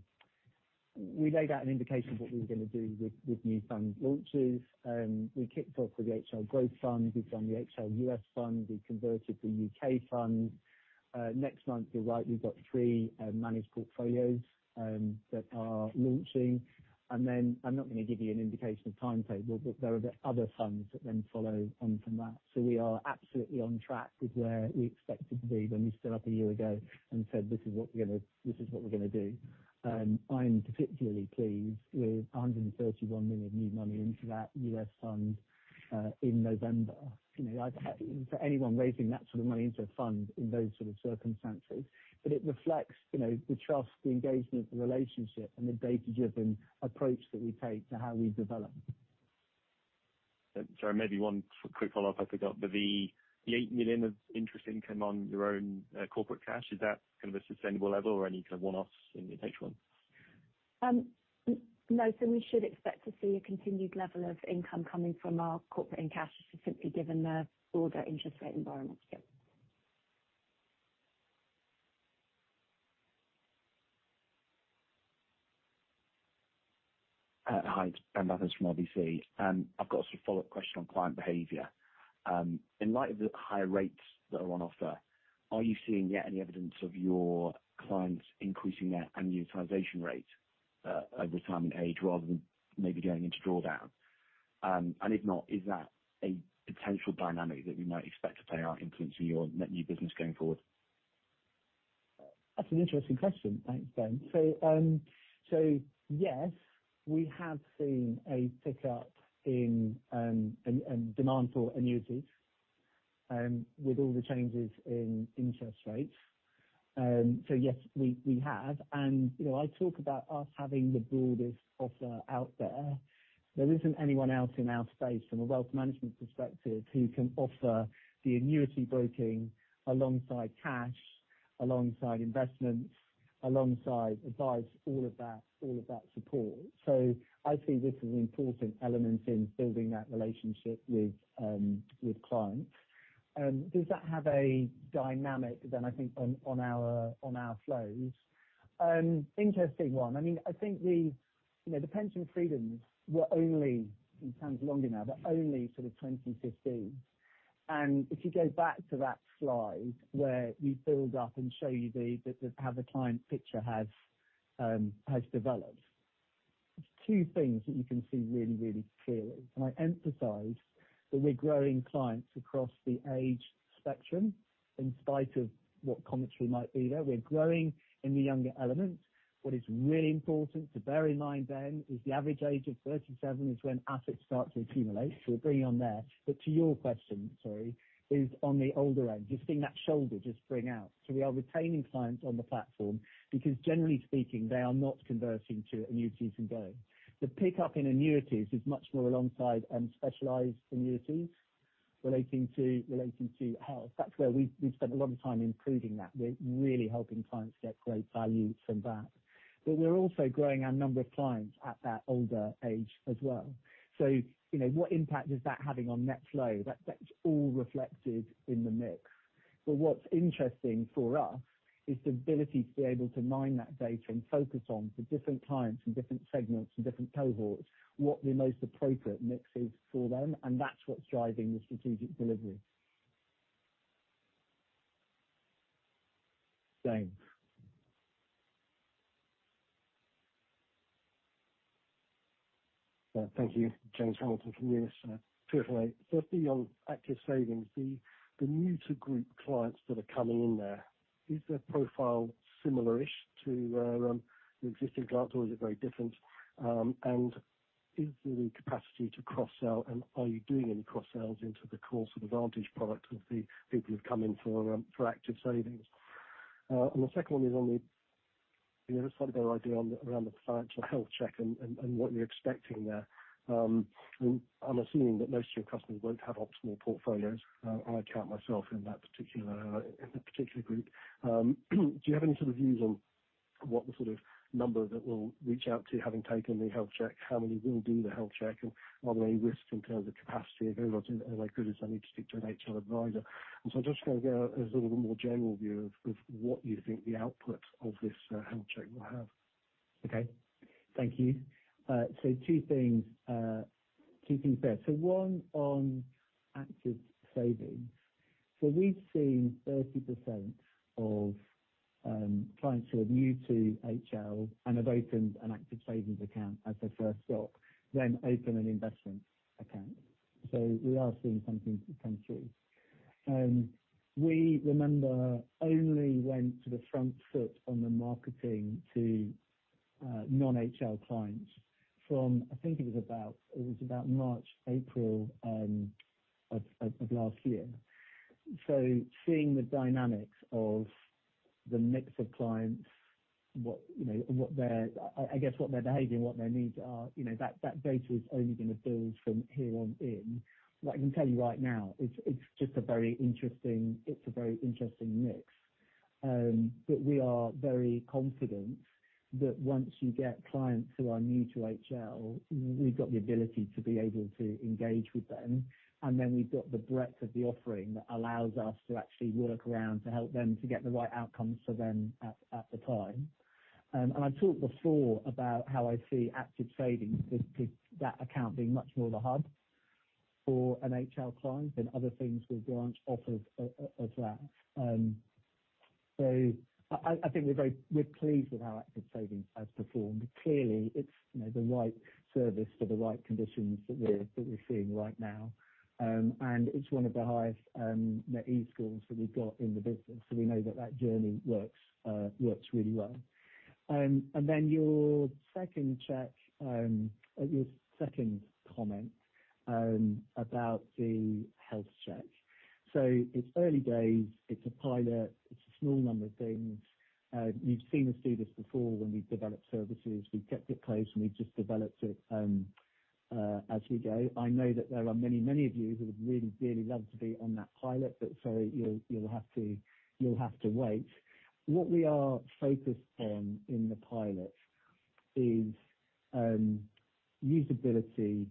indication of what we were gonna do with new fund launches. We kicked off with the HL Growth Fund. We've done the HL US Fund. We converted the UK Fund. Next month, you're right, we've got three managed portfolios that are launching. I'm not gonna give you an indication of timetable, but there are the other funds that then follow on from that. We are absolutely on track with where we expected to be when we stood up a year ago and said, "This is what we're gonna do." I'm particularly pleased with 131 million new money into that US Fund in November. You know, I've had... For anyone raising that sort of money into a fund in those sort of circumstances. It reflects, you know, the trust, the engagement, the relationship, and the data-driven approach that we take to how we develop. Sorry, maybe one quick follow-up I forgot. The 8 million of interest income on your own corporate cash, is that kind of a sustainable level or any kind of one-offs in the H1? No. We should expect to see a continued level of income coming from our corporate in cash just simply given the broader interest rate environment. Hi, Ben Bathurst from RBC. I've got a sort of follow-up question on client behavior. In light of the higher rates that are on offer, are you seeing yet any evidence of your clients increasing their annuitization rate over time and age rather than maybe going into drawdown? If not, is that a potential dynamic that we might expect to play out influencing your net new business going forward? That's an interesting question. Thanks, Ben. Yes, we have seen a pickup in demand for annuities with all the changes in interest rates. Yes, we have. You know, I talk about us having the broadest offer out there. There isn't anyone else in our space from a wealth management perspective who can offer the annuity broking alongside cash, alongside investments, alongside advice, all of that, all of that support. I see this as an important element in building that relationship with clients. Does that have a dynamic then I think on our flows? Interesting one. I mean, I think the, you know, the Pension Freedoms were only, in terms of longevity, now, but only sort of 2015. If you go back to that slide where we build up and show you the how the client picture has developed. There's two things that you can see really clearly. I emphasize, but we're growing clients across the age spectrum, in spite of what commentary might be there. We're growing in the younger element. What is really important to bear in mind then is the average age of 37 is when assets start to accumulate. We're bringing on there. To your question, sorry, is on the older end, you're seeing that shoulder just spring out. We are retaining clients on the platform because generally speaking, they are not converting to annuities and go. The pickup in annuities is much more alongside specialized annuities relating to health. That's where we've spent a lot of time improving that. We're really helping clients get great value from that. We're also growing our number of clients at that older age as well. you know, what impact is that having on net flow? That's all reflected in the mix. what's interesting for us is the ability to be able to mine that data and focus on the different clients from different segments and different cohorts, what the most appropriate mix is for them, and that's what's driving the strategic delivery. James. Thank you. James Hamilton from Numis. Two for me. Firstly, on Active Savings, the new to group clients that are coming in there, is their profile similar-ish to the existing clients, or is it very different? Is there the capacity to cross-sell? Are you doing any cross-sells into the course of the advantage product of the people who've come in for Active Savings? The second one is on the, you know, sort of get idea on the, around the financial health check and what you're expecting there. I'm assuming that most of your customers won't have optimal portfolios. I count myself in that particular group. Do you have any sort of views on what the sort of number that we'll reach out to having taken the health check? How many will do the health check? Are there any risks in terms of capacity available to, as they could just need to speak to an HL advisor? I'm just trying to get a little more general view of what you think the output of this health check will have. Okay. Thank you. Two things. Two things there. One on Active Savings. We've seen 30% of clients who are new to HL and have opened an Active Savings account as their first stop, then open an investment account. We are seeing something come through. We remember only went to the front foot on the marketing to non-HL clients from, I think it was about, it was about March, April of last year. Seeing the dynamics of the mix of clients, what, you know, what their, I guess, what their behavior and what their needs are, you know, that data is only gonna build from here on in. What I can tell you right now, it's just a very interesting mix. We are very confident that once you get clients who are new to HL, we've got the ability to be able to engage with them. Then we've got the breadth of the offering that allows us to actually work around to help them to get the right outcomes for them at the time. I've talked before about how I see Active Savings with that account being much more the hub for an HL client than other things will branch off of that. I think we're very, we're pleased with how Active Savings has performed. Clearly, it's, you know, the right service for the right conditions that we're, that we're seeing right now. It's one of the highest Net Promoter Scores that we've got in the business. We know that that journey works really well. Then your second check, your second comment, about the health check. It's early days, it's a pilot, it's a small number of things. You've seen us do this before when we develop services. We've kept it close, and we've just developed it, as we go. I know that there are many, many of you who would really, really love to be on that pilot, but sorry, you'll have to wait. What we are focused on in the pilot is, usability,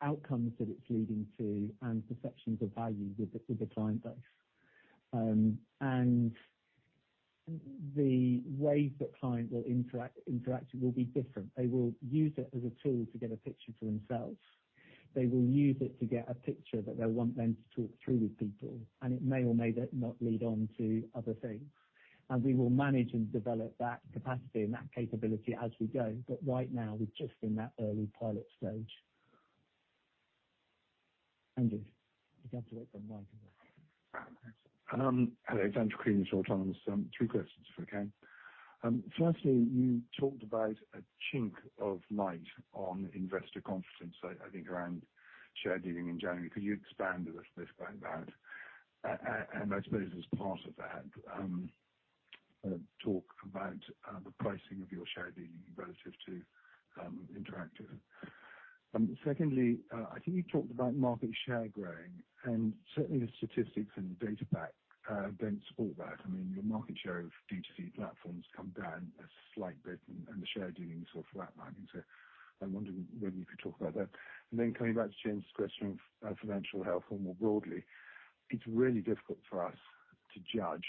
outcomes that it's leading to and perceptions of value with the client base. The way that clients will interact will be different. They will use it as a tool to get a picture for themselves. They will use it to get a picture that they'll want then to talk through with people, and it may or may not lead on to other things. We will manage and develop that capacity and that capability as we go. Right now, we're just in that early pilot stage. Andrew. You have to wait for the mic. Hello, Andrew Crean from Autonomous Research. Three questions if I can. Firstly, you talked about a chink of light on investor confidence, I think around share dealing in January. Could you expand a little bit about that? And I suppose as part of that, talk about the pricing of your share dealing relative to Interactive. Secondly, I think you talked about market share growing, and certainly the statistics and data back don't support that. I mean, your market share of D2C platforms come down a slight bit and the share dealings are flatlining. I wonder whether you could talk about that. Coming back to James' question of financial health more broadly, it's really difficult for us to judge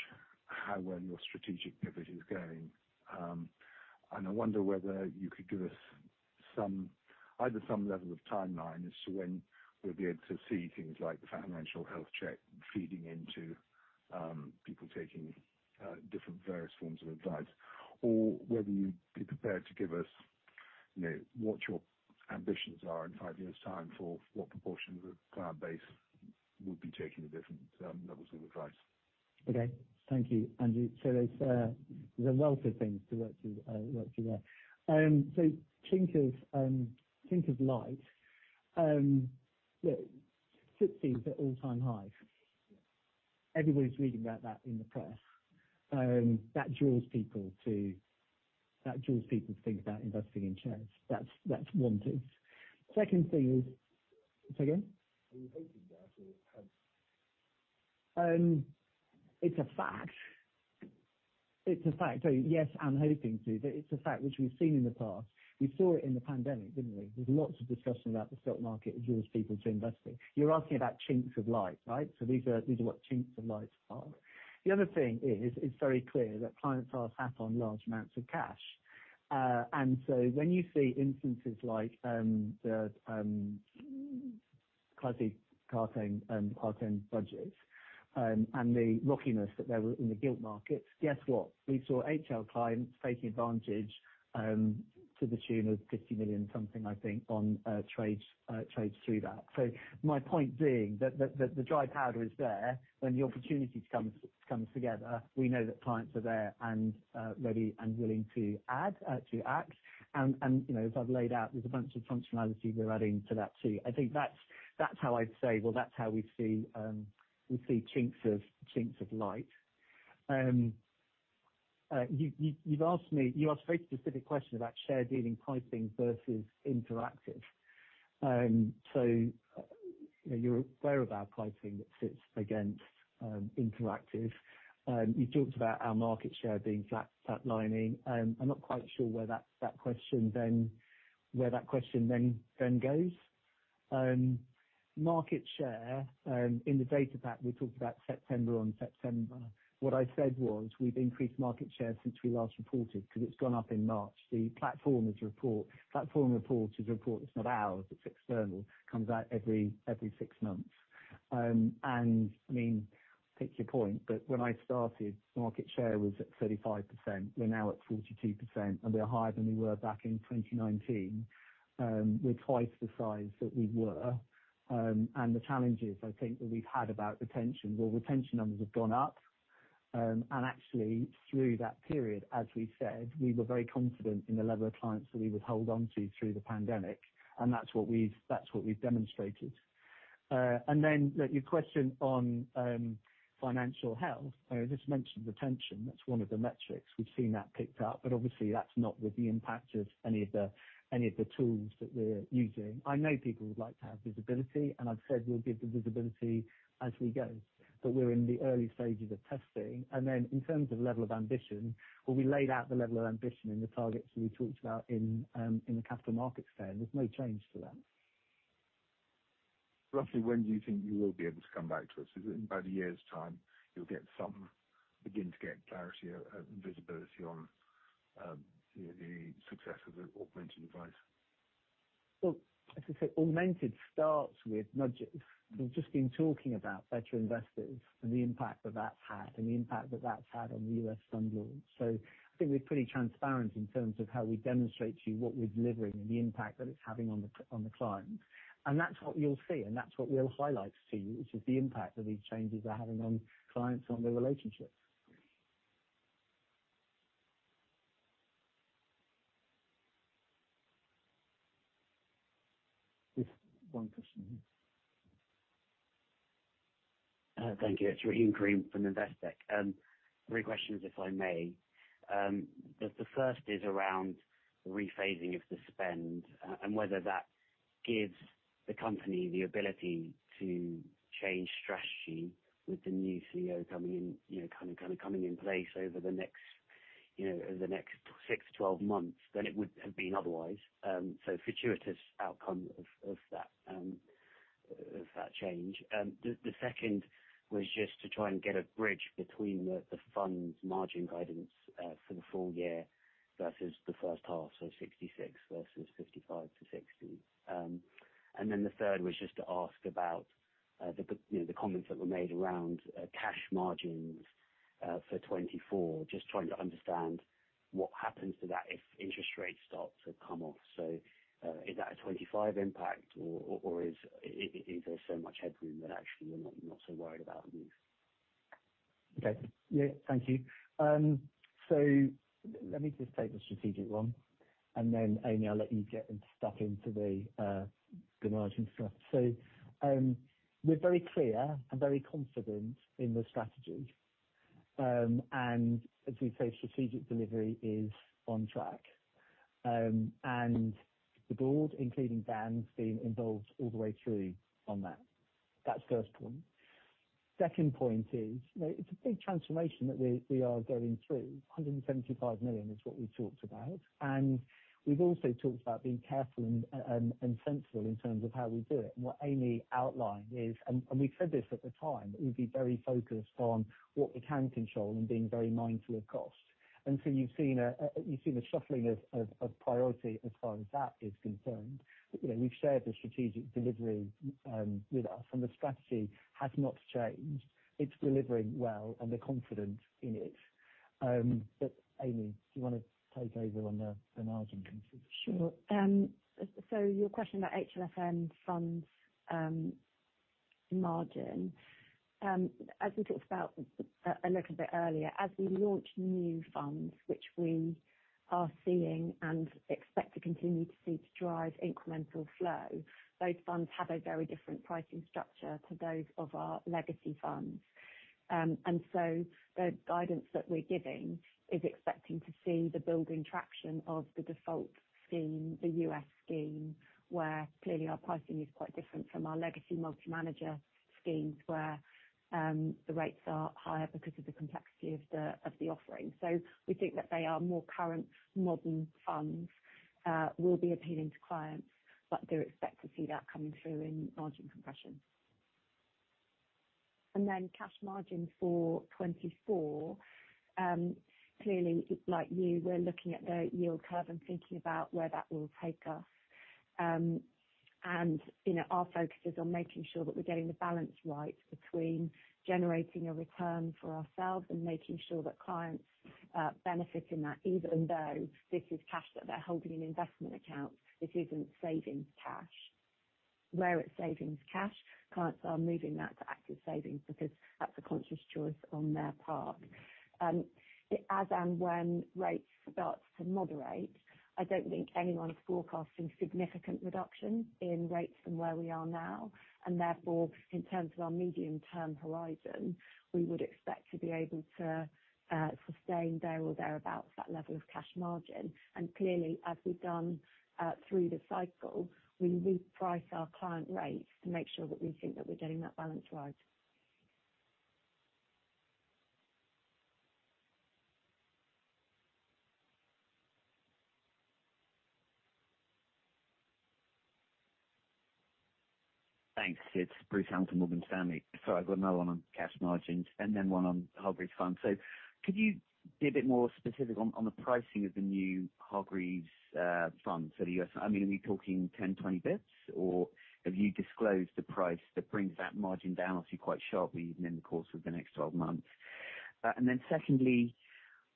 how well your strategic pivot is going. I wonder whether you could give us some, either some level of timeline as to when we'll be able to see things like the financial health check feeding into people taking different various forms of advice, or whether you'd be prepared to give us, you know, what your ambitions are in five years' time for what proportion of the client base would be taking the different levels of advice. Okay. Thank you, Andrew. There's a wealth of things to work through, work through there. Chink of light. You know, FTSE is at all-time high. Everybody's reading about that in the press. That draws people to think about investing in shares. That's one thing. Second thing is... Say again? Are you hoping there or have? It's a fact. It's a fact. Yes, I'm hoping to, but it's a fact which we've seen in the past. We saw it in the pandemic, didn't we? There's lots of discussion about the stock market draws people to investing. You're asking about chinks of light, right? These are what chinks of lights are. The other thing is it's very clear that clients are sat on large amounts of cash. When you see instances like the Kwasi Kwarteng, Kwarteng budgets, and the rockiness that there were in the gilt markets, guess what? We saw HL clients taking advantage, to the tune of 50 million something, I think, on trades through that. My point being that the dry powder is there. When the opportunities comes together, we know that clients are there and ready and willing to add to act. You know, as I've laid out, there's a bunch of functionality we're adding to that too. I think that's how I'd say, well, that's how we see chinks of light. You asked a very specific question about share dealing pricing versus interactive investor. You know, you're aware of our pricing that sits against interactive investor. You talked about our market share being flat lining. I'm not quite sure where that question then goes. Market share, in the data pack we talked about September on September. What I said was we've increased market share since we last reported because it's gone up in March. The Platform Report is a report that's not ours, it's external. Comes out every six months. I mean, take your point, but when I started, market share was at 35%. We're now at 42%, and we are higher than we were back in 2019. We're twice the size that we were, and the challenges I think that we've had about retention, well, retention numbers have gone up. Actually through that period, as we said, we were very confident in the level of clients that we would hold onto through the pandemic, and that's what we've demonstrated. Your question on financial health. I just mentioned retention. That's one of the metrics. We've seen that picked up, but obviously, that's not with the impact of any of the tools that we're using. I know people would like to have visibility, and I've said we'll give the visibility as we go. We're in the early stages of testing. Then in terms of level of ambition, well, we laid out the level of ambition in the targets that we talked about in the capital markets fair. There's no change to that. Roughly, when do you think you will be able to come back to us? Is it in about a year's time you'll begin to get clarity or visibility on, you know, the success of the augmented advice? As I say, augmented starts with nudges. We've just been talking about Better Investors and the impact that that's had and the impact that that's had on the US Fund loans. I think we're pretty transparent in terms of how we demonstrate to you what we're delivering and the impact that it's having on the client. That's what you'll see, and that's what we'll highlight to you, which is the impact that these changes are having on clients and their relationships. There's one person here. Thank you. It's Rahim Karim from Investec. Three questions if I may. The first is around rephasing of the spend, and whether that gives the company the ability to change strategy with the new CEO coming in, you know, kind of coming in place over the next six to 12 months than it would have been otherwise. So fortuitous outcome of that change. The second was just to try and get a bridge between the fund's margin guidance for the full year versus the first half, so 66% versus 55%-60%. The third was just to ask about the, you know, the comments that were made around cash margins for 2024. Just trying to understand what happens to that if interest rates start to come off. Is that a 25 impact or is there so much headroom that actually you're not so worried about a move? Okay. Yeah. Thank you. Let me just take the strategic one, and then, Amy, I'll let you get into stuff, into the margin stuff. We're very clear and very confident in the strategy. As we've said, strategic delivery is on track. The board, including Dan, has been involved all the way through on that. That's first point. Second point is, you know, it's a big transformation that we are going through. 175 million is what we talked about. We've also talked about being careful and sensible in terms of how we do it. What Amy outlined is, and we've said this at the time, that we'd be very focused on what we can control and being very mindful of costs. You've seen, you've seen the shuffling of priority as far as that is concerned. You know, we've shared the strategic delivery with us, and the strategy has not changed. It's delivering well, and we're confident in it. Amy, do you wanna take over on the margin piece? Sure. Your question about HLFM funds, margin. As we talked about a little bit earlier, as we launch new funds, which we are seeing and expect to continue to see to drive incremental flow, those funds have a very different pricing structure to those of our legacy funds. The guidance that we're giving is expecting to see the building traction of the default scheme, the U.S. scheme, where clearly our pricing is quite different from our legacy multi-manager schemes, where the rates are higher because of the complexity of the offering. We think that they are more current, modern funds, will be appealing to clients, but do expect to see that coming through in margin compression. Cash margin for 24. Clearly, like you, we're looking at the yield curve and thinking about where that will take us. You know, our focus is on making sure that we're getting the balance right between generating a return for ourselves and making sure that clients benefit in that, even though this is cash that they're holding in investment accounts, this isn't savings cash. Where it's savings cash, clients are moving that to Active Savings because that's a conscious choice on their part. As and when rates start to moderate, I don't think anyone is forecasting significant reduction in rates from where we are now, and therefore, in terms of our medium-term horizon, we would expect to be able to sustain there or thereabout that level of cash margin. Clearly, as we've done, through the cycle, we reprice our client rates to make sure that we think that we're getting that balance right. Thanks. It's Bruce Hamilton, Morgan Stanley. I've got another one on cash margins and then one on Hargreaves funds. Could you be a bit more specific on the pricing of the new Hargreaves funds? The U.S.-- I mean, are we talking 10, 20 bits, or have you disclosed the price that brings that margin down, obviously, quite sharply even in the course of the next 12 months? Then secondly,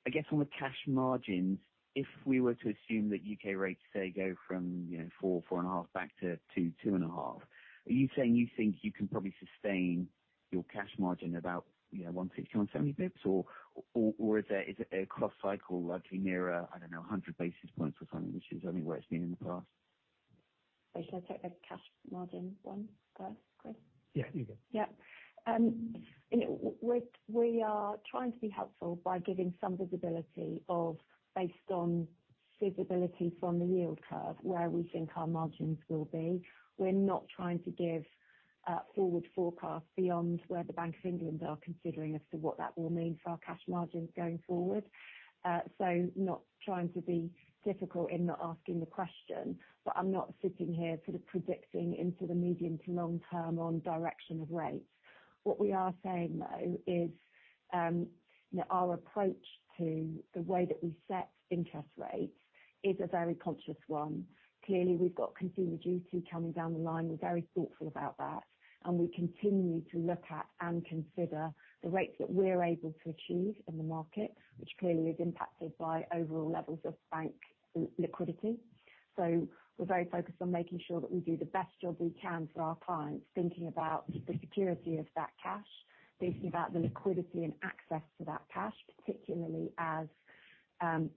I guess on the cash margins, if we were to assume that U.K. rates, say, go from, you know, 4%, 4.5% back to 2%, 2.5%, are you saying you think you can probably sustain your cash margin about, you know, 160, 170 bits or is it a cross cycle likely nearer, I don't know, 100 basis points or something, which is only where it's been in the past? Should I take the cash margin one first, Chris? Yeah, you go. You know, we are trying to be helpful by giving some visibility of based on visibility from the yield curve where we think our margins will be. We're not trying to give forward forecast beyond where the Bank of England are considering as to what that will mean for our cash margins going forward. Not trying to be difficult in not asking the question, I'm not sitting here sort of predicting into the medium to long term on direction of rates. What we are saying, though, is that our approach to the way that we set interest rates is a very conscious one. Clearly, we've got Consumer Duty coming down the line. We're very thoughtful about that, and we continue to look at and consider the rates that we're able to achieve in the market, which clearly is impacted by overall levels of bank liquidity. We're very focused on making sure that we do the best job we can for our clients, thinking about the security of that cash, thinking about the liquidity and access to that cash, particularly as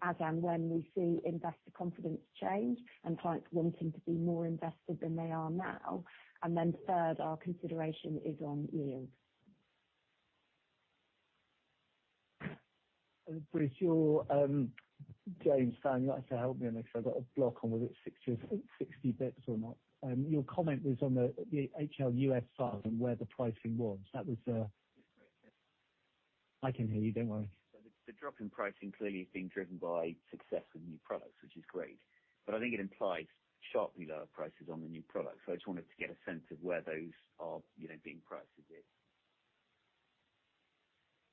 as and when we see investor confidence change and clients wanting to be more invested than they are now. Then third, our consideration is on yield. Bruce, you're James Found, you'll have to help me on this. I've got a block on whether it's 60 or 60 bits or not. Your comment was on the HL US Fund and where the pricing was. That was. I can hear you. Don't worry. The drop in pricing clearly is being driven by success with new products, which is great, but I think it implies sharply lower prices on the new products. I just wanted to get a sense of where those are, you know, being priced a bit.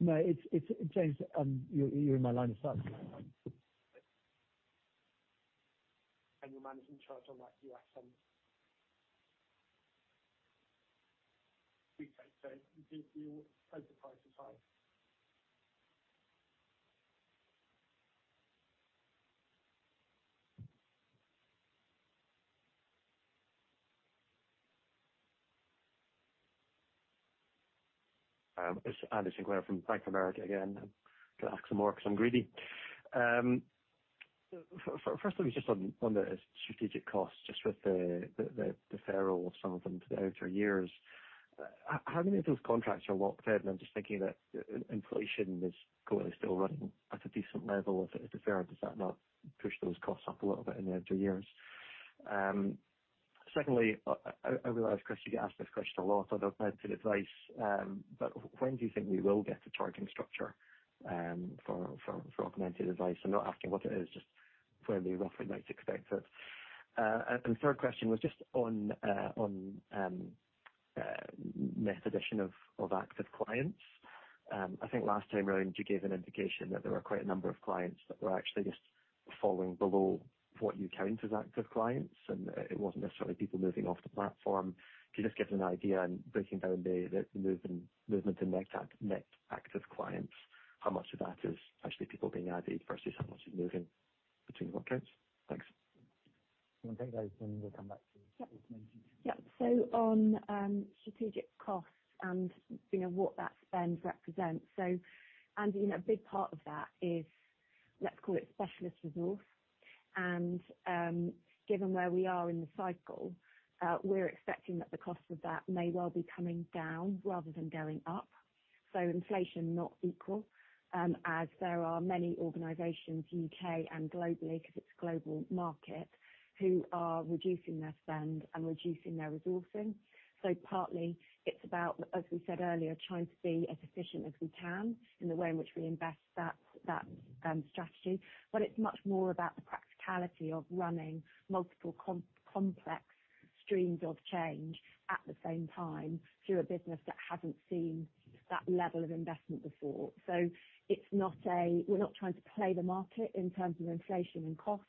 No, it's James, you're in my line of sight. Your management charge on that US Fund? Okay. You overprice as high. It's Andy Sinclair from Bank of America again. Can I ask some more 'cause I'm greedy? First of all, just on the strategic costs, just with the deferral of some of them to the outer years, how many of those contracts are locked in? I'm just thinking that inflation is currently still running at a decent level of deferral. Does that not push those costs up a little bit in the outer years? Secondly, I realize, Chris, you get asked this question a lot on augmented advice, but when do you think we will get a charging structure for augmented advice? I'm not asking what it is, where we roughly might expect it. Third question was just on net addition of active clients. I think last time around you gave an indication that there were quite a number of clients that were actually just falling below what you count as active clients, and it wasn't necessarily people moving off the platform. Can you just give us an idea on breaking down the movement in net active clients, how much of that is actually people being added versus how much is moving between accounts? Thanks. Well, take those, then we'll come back. Yep. Yep. On strategic costs and, you know, what that spend represents. Andy, you know, a big part of that is, let's call it specialist resource. Given where we are in the cycle, we're expecting that the cost of that may well be coming down rather than going up. Inflation not equal, as there are many organizations, U.K. and globally, 'cause it's global market, who are reducing their spend and reducing their resourcing. Partly it's about, as we said earlier, trying to be as efficient as we can in the way in which we invest that strategy. It's much more about the practicality of running multiple complex streams of change at the same time through a business that hasn't seen that level of investment before. It's not a... We're not trying to play the market in terms of inflation and costs.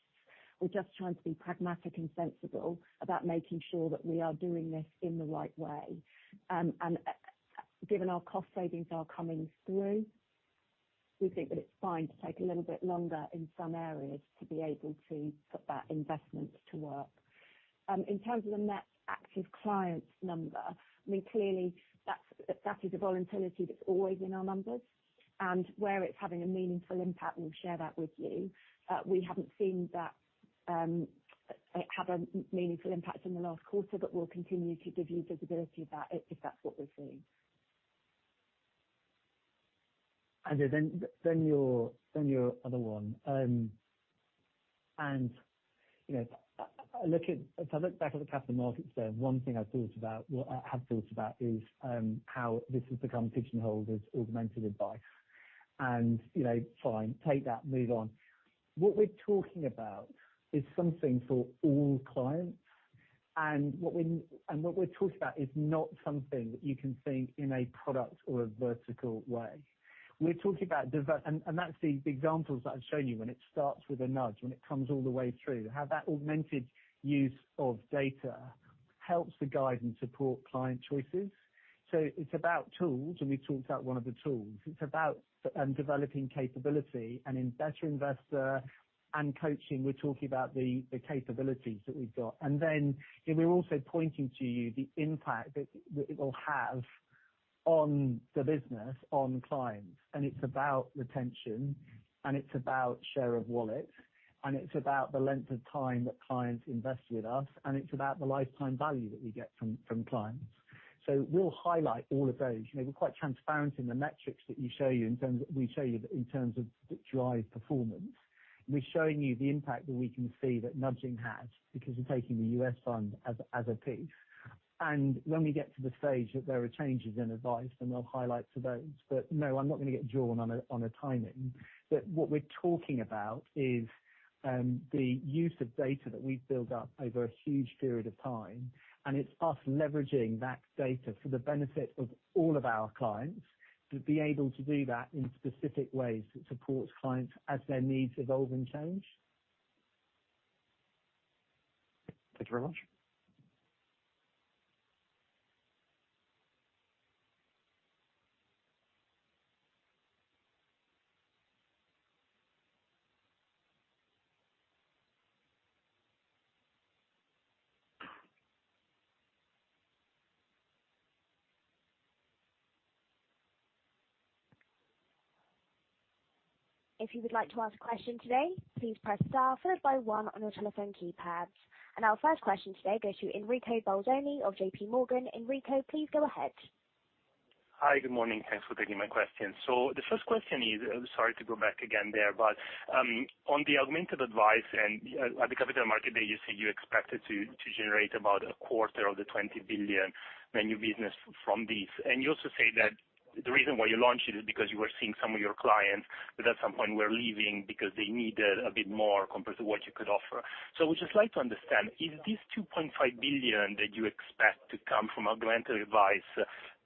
We're just trying to be pragmatic and sensible about making sure that we are doing this in the right way. Given our cost savings are coming through, we think that it's fine to take a little bit longer in some areas to be able to put that investment to work. In terms of the net active clients number, I mean, clearly that's, that is a volatility that's always in our numbers. Where it's having a meaningful impact, we'll share that with you. We haven't seen that have a meaningful impact in the last quarter, but we'll continue to give you visibility about it if that's what we're seeing. Then your other one. You know, I look at. If I look back at the capital markets day, Well, I have thought about is how this has become pigeonholed as augmented advice. You know, fine, take that, move on. What we're talking about is something for all clients. What we're talking about is not something that you can think in a product or a vertical way. We're talking about. That's the examples that I've shown you, when it starts with a nudge, when it comes all the way through, how that augmented use of data helps to guide and support client choices. It's about tools, and we've talked about one of the tools. It's about developing capability. In Better Investors and coaching, we're talking about the capabilities that we've got. We're also pointing to you the impact that it will have on the business, on clients. It's about retention, and it's about share of wallet, and it's about the length of time that clients invest with us, and it's about the lifetime value that we get from clients. We'll highlight all of those. You know, we're quite transparent in the metrics that you show you in terms of drive performance. We're showing you the impact that we can see that nudging has because we're taking the HL US Fund as a piece. When we get to the stage that there are changes in advice, then we'll highlight to those. No, I'm not gonna get drawn on a timing. What we're talking about is the use of data that we've built up over a huge period of time, and it's us leveraging that data for the benefit of all of our clients to be able to do that in specific ways that supports clients as their needs evolve and change. Thank you very much. If you would like to ask a question today, please press star followed by one on your telephone keypads. Our first question today goes to Enrico Bolzoni of JPMorgan. Enrico, please go ahead. Hi. Good morning. Thanks for taking my question. The first question is, sorry to go back again there, but on the augmented advice and at the capital market day, you said you expected to generate about a quarter of the 20 billion new business from this. You also say that the reason why you launched it is because you were seeing some of your clients that at some point were leaving because they needed a bit more compared to what you could offer. I would just like to understand, is this 2.5 billion that you expect to come from augmented advice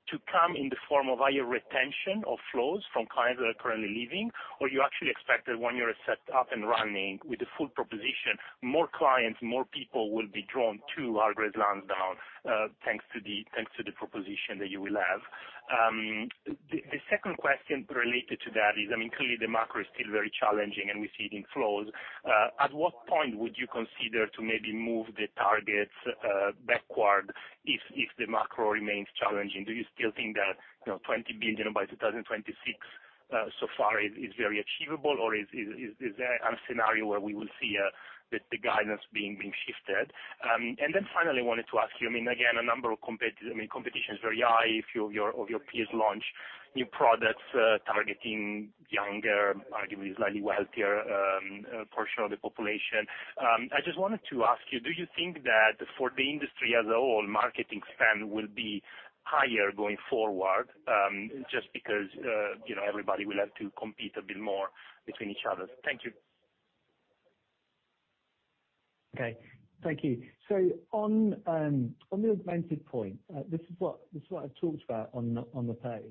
to come in the form of higher retention or flows from clients that are currently leaving? You actually expect that when you're set up and running with the full proposition, more clients, more people will be drawn to Hargreaves Lansdown, thanks to the proposition that you will have? The second question related to that is, I mean, clearly the macro is still very challenging, and we see it in flows. At what point would you consider to maybe move the targets backward if the macro remains challenging? Do you still think that, you know, 20 billion by 2026 so far is very achievable? Or is there a scenario where we will see the guidance being shifted? Finally I wanted to ask you, I mean, again, I mean, competition is very high. A few of your, of your peers launch new products, targeting younger, arguably slightly wealthier, portion of the population. I just wanted to ask you, do you think that for the industry as a whole, marketing spend will be higher going forward, just because, you know, everybody will have to compete a bit more between each other? Thank you. Okay. Thank you. On the augmented point, this is what I talked about on the page.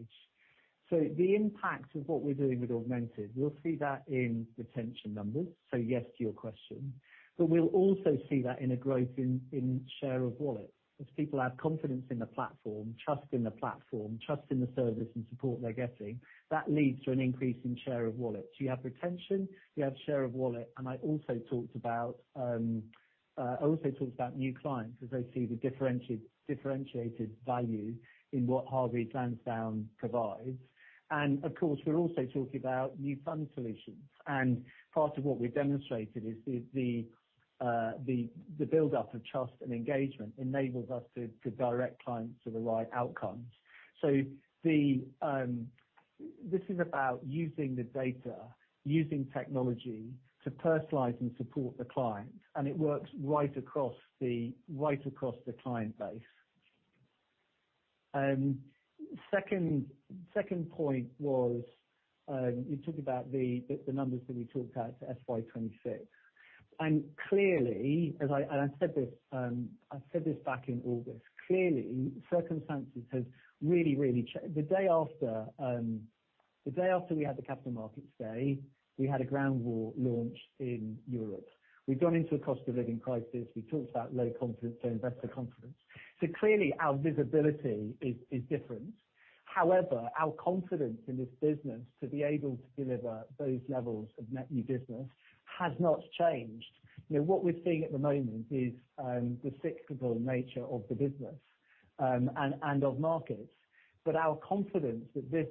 The impact of what we're doing with augmented, we'll see that in retention numbers. Yes to your question. We'll also see that in a growth in share of wallet. As people have confidence in the platform, trust in the platform, trust in the service and support they're getting, that leads to an increase in share of wallet. You have retention, you have share of wallet, and I also talked about new clients as they see the differentiated value in what Hargreaves Lansdown provides. Of course, we're also talking about new fund solutions. Part of what we've demonstrated is the build-up of trust and engagement enables us to direct clients to the right outcomes. This is about using the data, using technology to personalize and support the client, and it works right across the client base. Second point was, you talked about the numbers that we talked about to FY 2026. Clearly, as I said this, I said this back in August. Clearly circumstances have really changed. The day after, the day after we had the capital markets day, we had a ground war launch in Europe. We've gone into a cost of living crisis. We talked about low confidence, investor confidence. Clearly our visibility is different. However, our confidence in this business to be able to deliver those levels of net new business has not changed. You know, what we're seeing at the moment is, the cyclical nature of the business, and of markets. Our confidence that this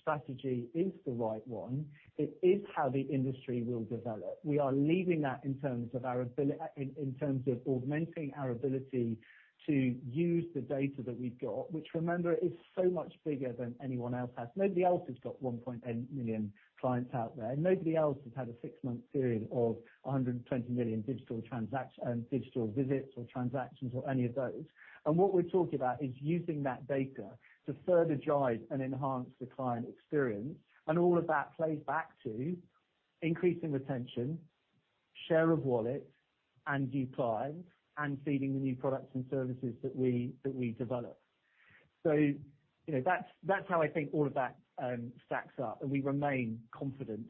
strategy is the right one, it is how the industry will develop. We are leading that in terms of augmenting our ability to use the data that we've got, which remember, is so much bigger than anyone else has. Nobody else has got 1 million clients out there. Nobody else has had a six-month period of 120 million digital visits or transactions or any of those. What we're talking about is using that data to further drive and enhance the client experience, and all of that plays back to increasing retention, share of wallet, and new clients, and feeding the new products and services that we develop. You know, that's how I think all of that stacks up, and we remain confident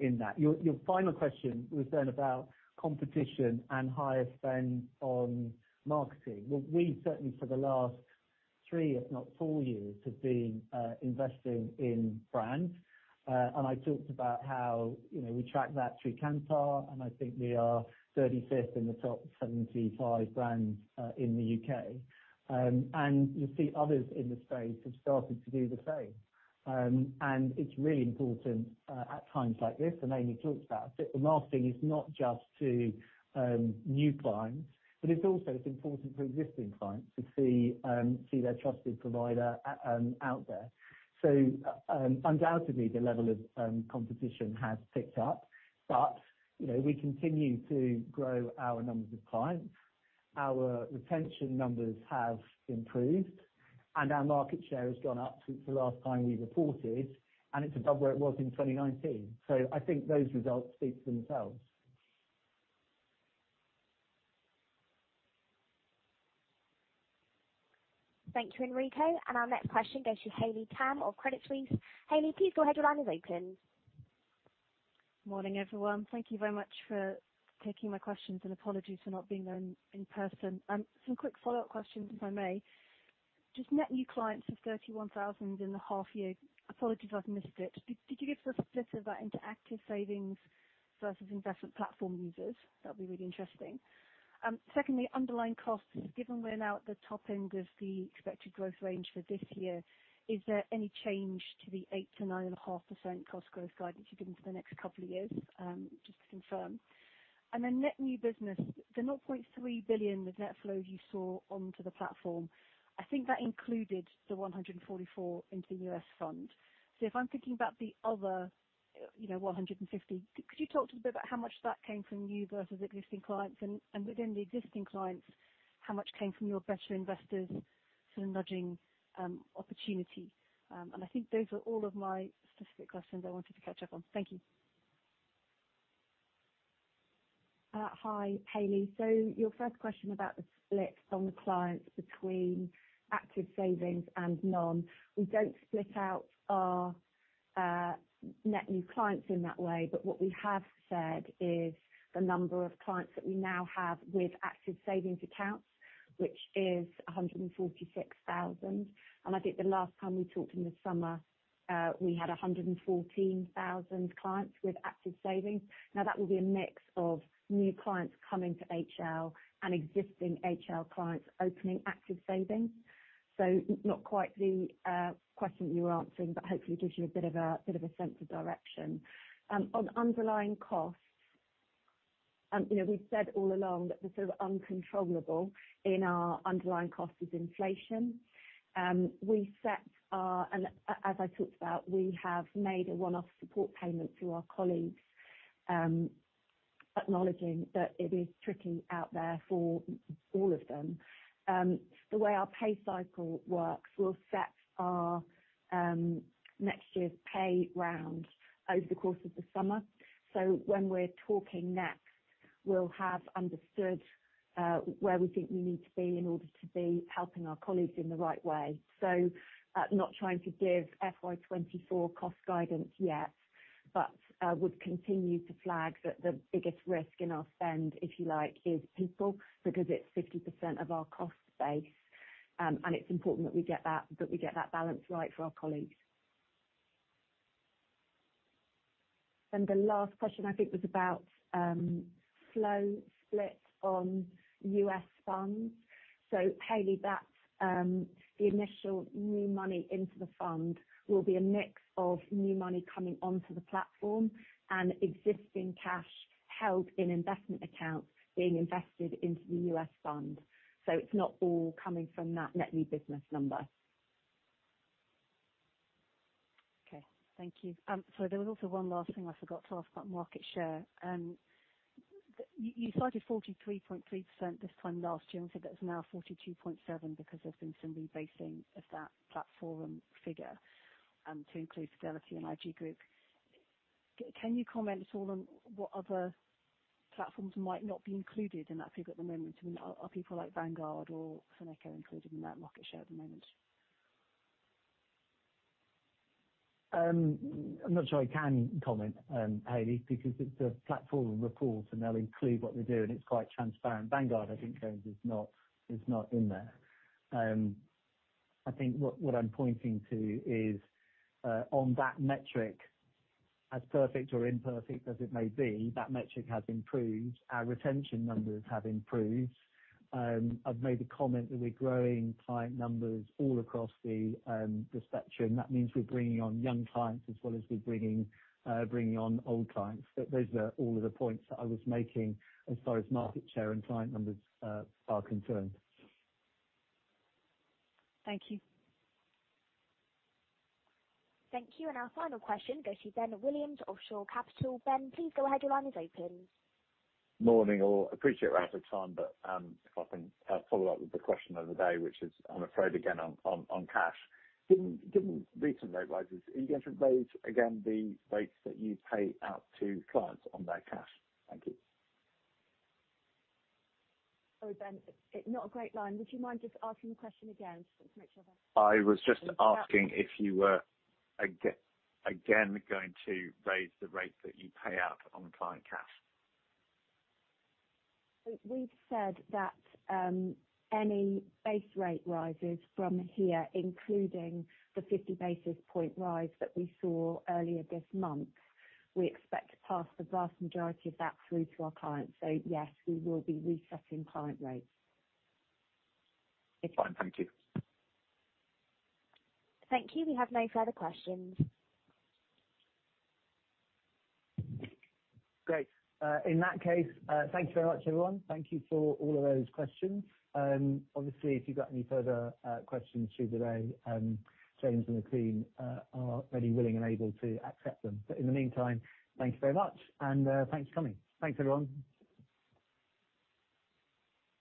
in that. Your final question was then about competition and higher spend on marketing. We certainly for the last three if not four years have been investing in brand. I talked about how, you know, we track that through Kantar, and I think we are 35th in the top 75 brands in the U.K. You'll see others in the space have started to do the same. It's really important, at times like this, and Amy talked about it, that the marketing is not just to new clients, but it's also, it's important for existing clients to see their trusted provider out there. Undoubtedly the level of competition has picked up. You know, we continue to grow our numbers of clients. Our retention numbers have improved. Our market share has gone up since the last time we reported, and it's above where it was in 2019. I think those results speak for themselves. Thank you, Enrico. Our next question goes to Haley Tam of Credit Suisse. Haley, please go ahead. Your line is open. Morning, everyone. Thank you very much for taking my questions, and apologies for not being there in person. Some quick follow-up questions, if I may. Net new clients of 31,000 in the half year. Apologies if I've missed it. Did you give us a split of that into Active Savings versus investment platform users? That'd be really interesting. Underlying costs. Given we're now at the top end of the expected growth range for this year, is there any change to the 8% to 9.5% cost growth guidance you've given for the next couple of years? To confirm. Net new business. The 0.3 billion with net flows you saw onto the platform, I think that included the 144 into the HL US Fund. If I'm thinking about the other, 150, could you talk a little bit about how much of that came from you versus existing clients? Within the existing clients, how much came from your Better Investors sort of nudging opportunity? I think those are all of my specific questions I wanted to catch up on. Thank you. Hi, Haley. Your first question about the split on the clients between Active Savings and non. We don't split out our net new clients in that way. What we have said is the number of clients that we now have with Active Savings accounts, which is 146,000. I think the last time we talked in the summer, we had 114,000 clients with Active Savings. That will be a mix of new clients coming to HL and existing HL clients opening Active Savings. Not quite the question you were answering, but hopefully it gives you a bit of a sense of direction. On underlying costs, you know, we've said all along that the sort of uncontrollable in our underlying cost is inflation. We set our... As I talked about, we have made a one-off support payment to our colleagues, acknowledging that it is tricky out there for all of them. The way our pay cycle works, we'll set our next year's pay round over the course of the summer. When we're talking next. We'll have understood where we think we need to be in order to be helping our colleagues in the right way. Not trying to give FY 2024 cost guidance yet, but would continue to flag that the biggest risk in our spend, if you like, is people, because it's 50% of our cost base. And it's important that we get that balance right for our colleagues. The last question I think was about flow split on US Fund. Haley, that's the initial new money into the fund will be a mix of new money coming onto the platform and existing cash held in investment accounts being invested into the US Fund. It's not all coming from that net new business number. Okay. Thank you. There was also one last thing I forgot to ask about market share. You cited 43.3% this time last year, and said that it's now 42.7% because there's been some rebasing of that platform figure to include Fidelity and IG Group. Can you comment at all on what other platforms might not be included in that figure at the moment? I mean, are people like Vanguard or Fineco included in that market share at the moment? I'm not sure I can comment, Haley, because it's a platform report, and they'll include what they do, and it's quite transparent. Vanguard, I think James is not in there. I think what I'm pointing to is on that metric, as perfect or imperfect as it may be, that metric has improved. Our retention numbers have improved. I've made the comment that we're growing client numbers all across the spectrum. That means we're bringing on young clients as well as we're bringing on old clients. Those are all of the points that I was making as far as market share and client numbers are concerned. Thank you. Thank you. Our final question goes to Ben Williams of Shore Capital. Ben, please go ahead. Your line is open. Morning, all. Appreciate we're out of time, if I can follow up with the question of the day, which is, I'm afraid again, on cash. Given recent rate rises, are you going to raise again the rates that you pay out to clients on their cash? Thank you. Sorry, Ben. It's not a great line. Would you mind just asking the question again just to make sure that. I was just asking if you were again going to raise the rate that you pay out on client cash? We've said that, any base rate rises from here, including the 50 basis point rise that we saw earlier this month, we expect to pass the vast majority of that through to our clients. Yes, we will be resetting client rates. Fine. Thank you. Thank you. We have no further questions. Great. In that case, thank you very much, everyone. Thank you for all of those questions. Obviously, if you've got any further questions through the day, James and the team are ready, willing and able to accept them. In the meantime, thank you very much and thanks for coming. Thanks, everyone.